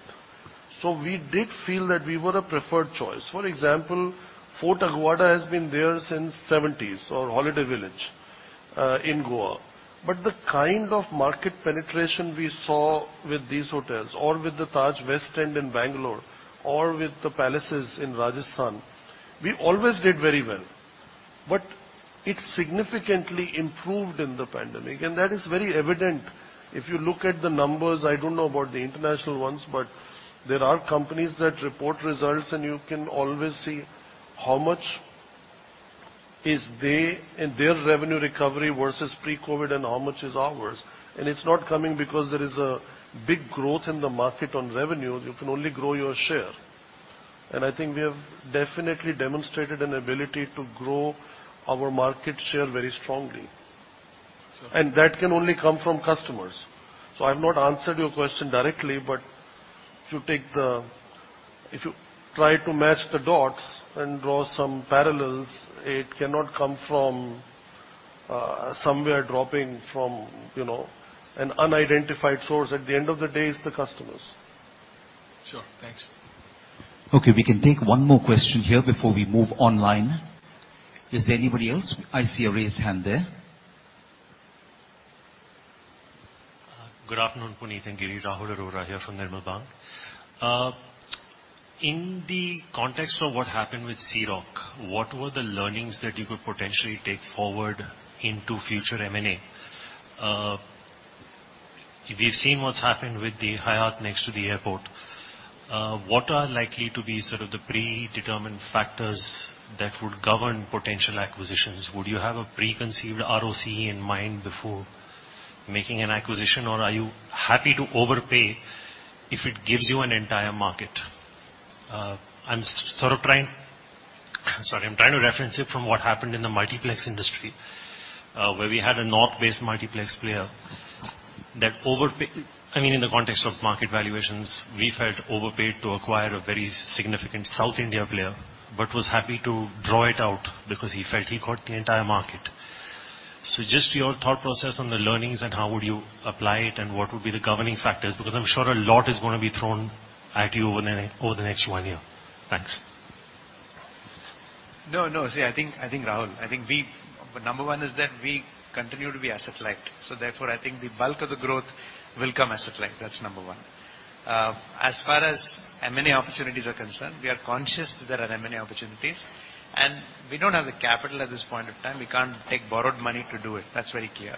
[SPEAKER 2] We did feel that we were a preferred choice. For example, Fort Aguada has been there since '70s or Holiday Village in Goa. The kind of market penetration we saw with these hotels or with the Taj West End in Bangalore or with the Palaces in Rajasthan, we always did very well. It significantly improved in the pandemic, and that is very evident if you look at the numbers, I don't know about the international ones, but there are companies that report results and you can always see how much is their revenue recovery versus pre-COVID and how much is ours. It's not coming because there is a big growth in the market on revenue. You can only grow your share. I think we have definitely demonstrated an ability to grow our market share very strongly. That can only come from customers. I've not answered your question directly, but if you try to match the dots and draw some parallels, it cannot come from somewhere dropping from an unidentified source. At the end of the day, it's the customers.
[SPEAKER 11] Sure. Thanks.
[SPEAKER 2] Okay, we can take one more question here before we move online. Is there anybody else? I see a raised hand there.
[SPEAKER 13] Good afternoon, Puneeth and Girish. Rahul Arora here from Edelweiss. In the context of what happened with Sea Rock, what were the learnings that you could potentially take forward into future M&A? We've seen what's happened with the Hyatt next to the airport. What are likely to be sort of the predetermined factors that would govern potential acquisitions? Would you have a preconceived ROCE in mind before making an acquisition, or are you happy to overpay if it gives you an entire market? I'm trying to reference it from what happened in the multiplex industry, where we had a north-based multiplex player that overpaid. I mean, in the context of market valuations, we felt overpaid to acquire a very significant South India player, but was happy to draw it out because he felt he got the entire market. Just your thought process on the learnings and how would you apply it and what would be the governing factors? I'm sure a lot is going to be thrown at you over the next one year. Thanks.
[SPEAKER 5] No, see, I think, Rahul, number one is that we continue to be asset-light. Therefore, I think the bulk of the growth will come asset-light. That's number one. As far as M&A opportunities are concerned, we are conscious that there are M&A opportunities, and we don't have the capital at this point in time. We can't take borrowed money to do it. That's very clear.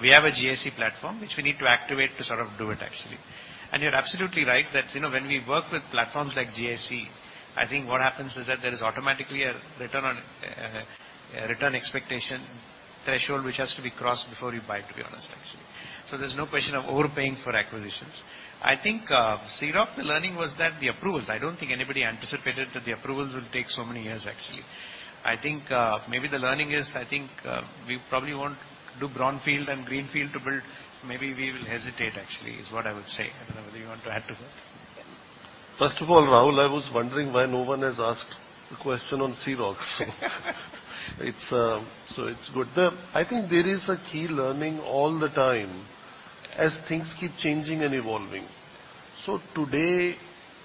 [SPEAKER 5] We have a GIC platform, which we need to activate to do it. You're absolutely right that when we work with platforms like GIC, I think what happens is that there is automatically a return expectation threshold which has to be crossed before you buy, to be honest. There's no question of overpaying for acquisitions. I think Sea Rock, the learning was that the approvals, I don't think anybody anticipated that the approvals would take so many years. I think maybe the learning is, I think we probably won't do brownfield and greenfield to build. Maybe we will hesitate, actually, is what I would say. I don't know whether you want to add to that.
[SPEAKER 2] Rahul, I was wondering why no one has asked the question on Sea Rock. It's good. I think there is a key learning all the time as things keep changing and evolving. Today,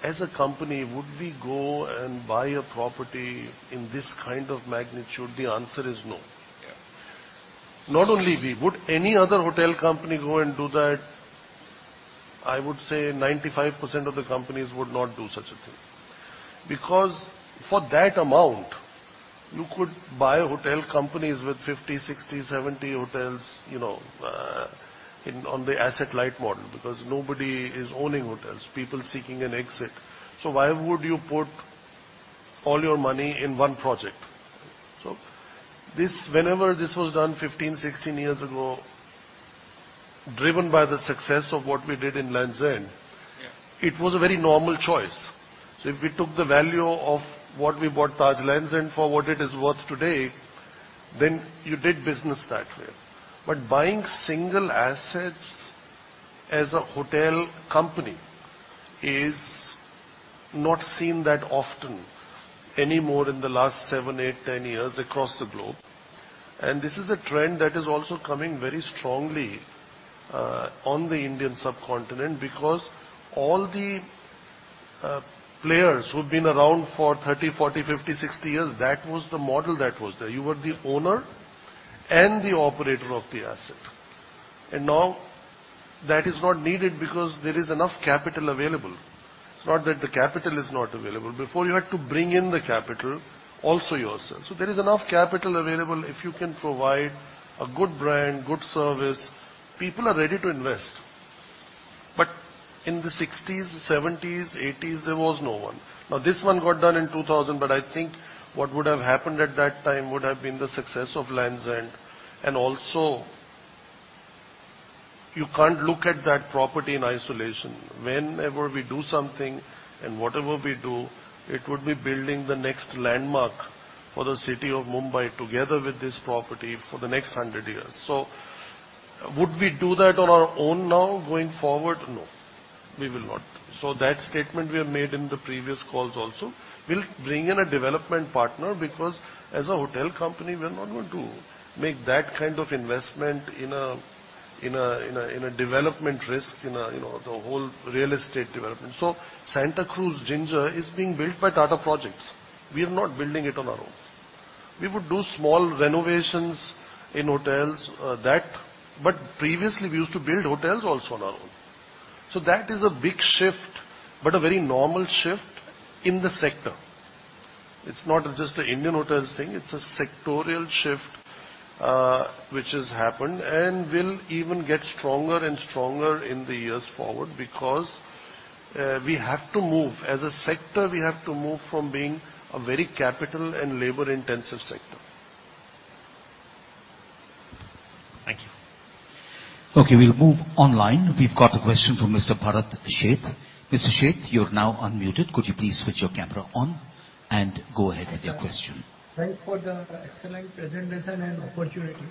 [SPEAKER 2] as a company, would we go and buy a property in this kind of magnitude? The answer is no.
[SPEAKER 13] Yeah.
[SPEAKER 2] Not only we. Would any other hotel company go and do that? I would say 95% of the companies would not do such a thing because for that amount, you could buy hotel companies with 50, 60, 70 hotels on the asset-light model because nobody is owning hotels. People are seeking an exit. Why would you put all your money in one project? Whenever this was done 15, 16 years ago, driven by the success of what we did in Lands End.
[SPEAKER 13] Yeah
[SPEAKER 2] It was a very normal choice. If we took the value of what we bought Taj Lands End for what it is worth today, then you did business that way. Buying single assets as a hotel company is not seen that often anymore in the last 7, 8, 10 years across the globe. This is a trend that is also coming very strongly on the Indian subcontinent because all the players who've been around for 30, 40, 50, 60 years, that was the model that was there. You were the owner and the operator of the asset. Now that is not needed because there is enough capital available. It's not that the capital is not available. Before, you had to bring in the capital also yourself. There is enough capital available if you can provide a good brand, good service, people are ready to invest. In the '60s, '70s, '80s, there was no one. This one got done in 2000, I think what would have happened at that time would have been the success of Land's End, also you can't look at that property in isolation. Whenever we do something and whatever we do, it would be building the next landmark for the city of Mumbai together with this property for the next 100 years. Would we do that on our own now going forward? No, we will not. That statement we have made in the previous calls also. We'll bring in a development partner because as a hotel company, we're not going to make that kind of investment in a development risk, the whole real estate development. Santacruz Ginger is being built by Tata Projects. We are not building it on our own. We would do small renovations in hotels, but previously, we used to build hotels also on our own. That is a big shift, but a very normal shift in the sector. It's not just an Indian Hotels thing, it's a sectorial shift which has happened and will even get stronger and stronger in the years forward because we have to move. As a sector, we have to move from being a very capital and labor-intensive sector.
[SPEAKER 13] Thank you.
[SPEAKER 3] Okay, we'll move online. We've got a question from Mr. Bharat Sheth. Mr. Sheth, you're now unmuted. Could you please put your camera on and go ahead with your question?
[SPEAKER 11] Thanks for the excellent presentation and opportunity.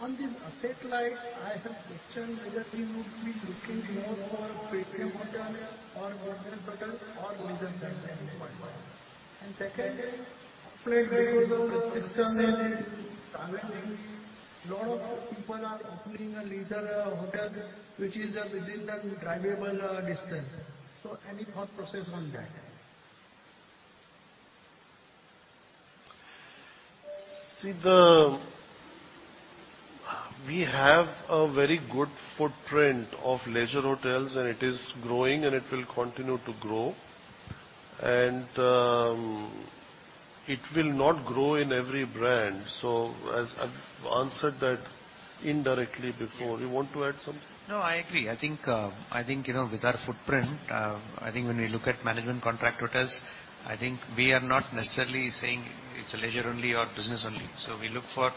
[SPEAKER 11] On this asset light, I have a question whether you would be looking more for premium hotel or business hotel or leisure hotel at this point? Second, upgrade to those existing travel lane. Lot of people are opening a leisure hotel which is within the drivable distance. Any thought process on that?
[SPEAKER 2] We have a very good footprint of leisure hotels, and it is growing, and it will continue to grow. It will not grow in every brand. As I've answered that indirectly before. You want to add something?
[SPEAKER 5] No, I agree. I think with our footprint, I think when we look at management contract hotels, I think we are not necessarily saying it's leisure only or business only. We look for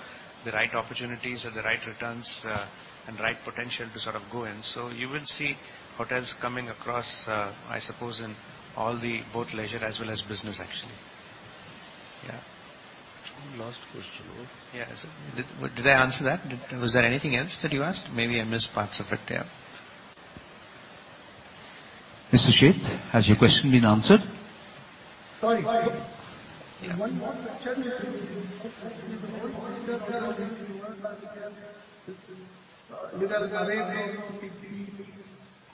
[SPEAKER 5] the right opportunities or the right returns and right potential to go in. You will see hotels coming across, I suppose, in both leisure as well as business, actually. Yeah.
[SPEAKER 2] One last question.
[SPEAKER 5] Yeah. Did I answer that? Was there anything else that you asked? Maybe I missed parts of it. Yeah.
[SPEAKER 3] Mr. Sheth, has your question been answered?
[SPEAKER 11] Sorry. One more question. In the hotel side, which you are talking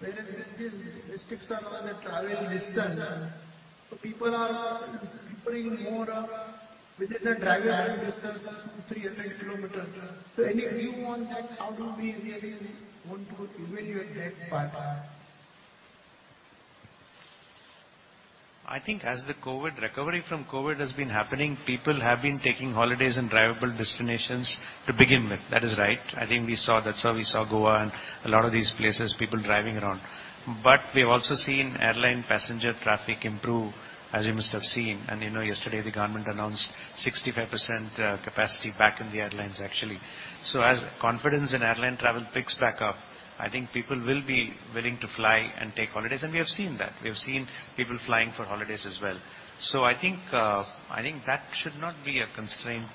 [SPEAKER 11] with the driving distance between business travel distance. People are preparing more within a drivable distance, 200, 300 kilometers. Any view on that? How do we really want to evaluate that part?
[SPEAKER 5] I think as the recovery from COVID has been happening, people have been taking holidays in drivable destinations to begin with. That is right. I think we saw that, sir. We saw Goa and a lot of these places, people driving around. We've also seen airline passenger traffic improve, as you must have seen. Yesterday, the government announced 65% capacity back in the airlines, actually. As confidence in airline travel picks back up, I think people will be willing to fly and take holidays, and we have seen that. We have seen people flying for holidays as well. I think that should not be a constraint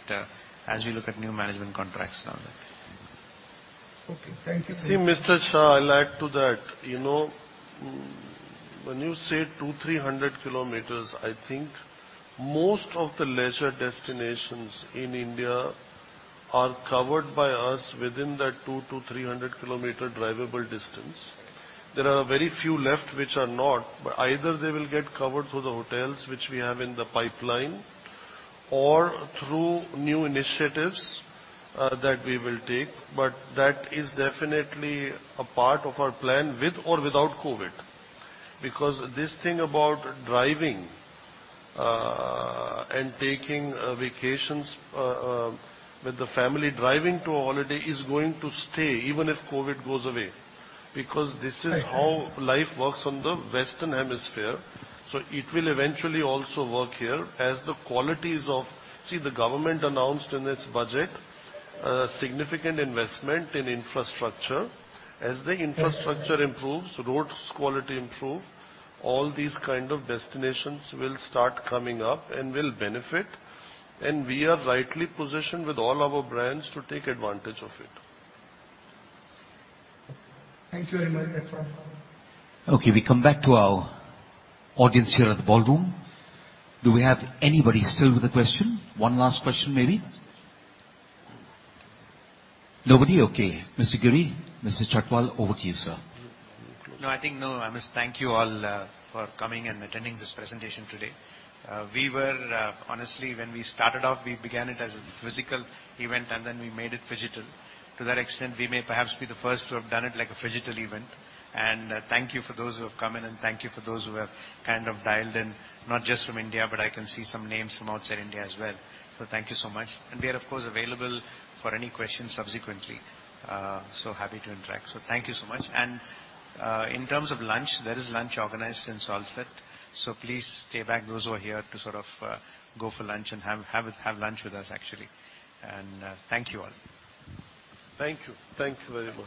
[SPEAKER 5] as we look at new management contracts and all that.
[SPEAKER 11] Okay. Thank you.
[SPEAKER 2] See, Mr. Shah, I'll add to that. When you say 200-300 km, I think most of the leisure destinations in India are covered by us within that 200-300 km drivable distance. There are very few left which are not, but either they will get covered through the hotels which we have in the pipeline or through new initiatives that we will take. That is definitely a part of our plan with or without COVID. This thing about driving and taking vacations with the family, driving to a holiday is going to stay even if COVID goes away, because this is how life works on the Western Hemisphere. It will eventually also work here. See, the government announced in its budget a significant investment in infrastructure. As the infrastructure improves, roads quality improve, all these kind of destinations will start coming up and will benefit. We are rightly positioned with all our brands to take advantage of it.
[SPEAKER 11] Thank you very much. That's all.
[SPEAKER 3] Okay, we come back to our audience here at the ballroom. Do we have anybody still with a question? One last question, maybe. Nobody? Okay. Mr. Giri, Mr. Chhatwal, over to you, sir. No, I think no.
[SPEAKER 5] I must thank you all for coming and attending this presentation today. Honestly, when we started off, we began it as a physical event, then we made it phygital. To that extent, we may perhaps be the first to have done it like a phygital event. Thank you for those who have come in, and thank you for those who have dialed in, not just from India, but I can see some names from outside India as well. Thank you so much. We are, of course, available for any questions subsequently. Happy to interact. Thank you so much. In terms of lunch, there is lunch organized and it is all set. Please stay back, those who are here, to go for lunch and have lunch with us, actually. Thank you all .Thank you.
[SPEAKER 1] Thank you very much.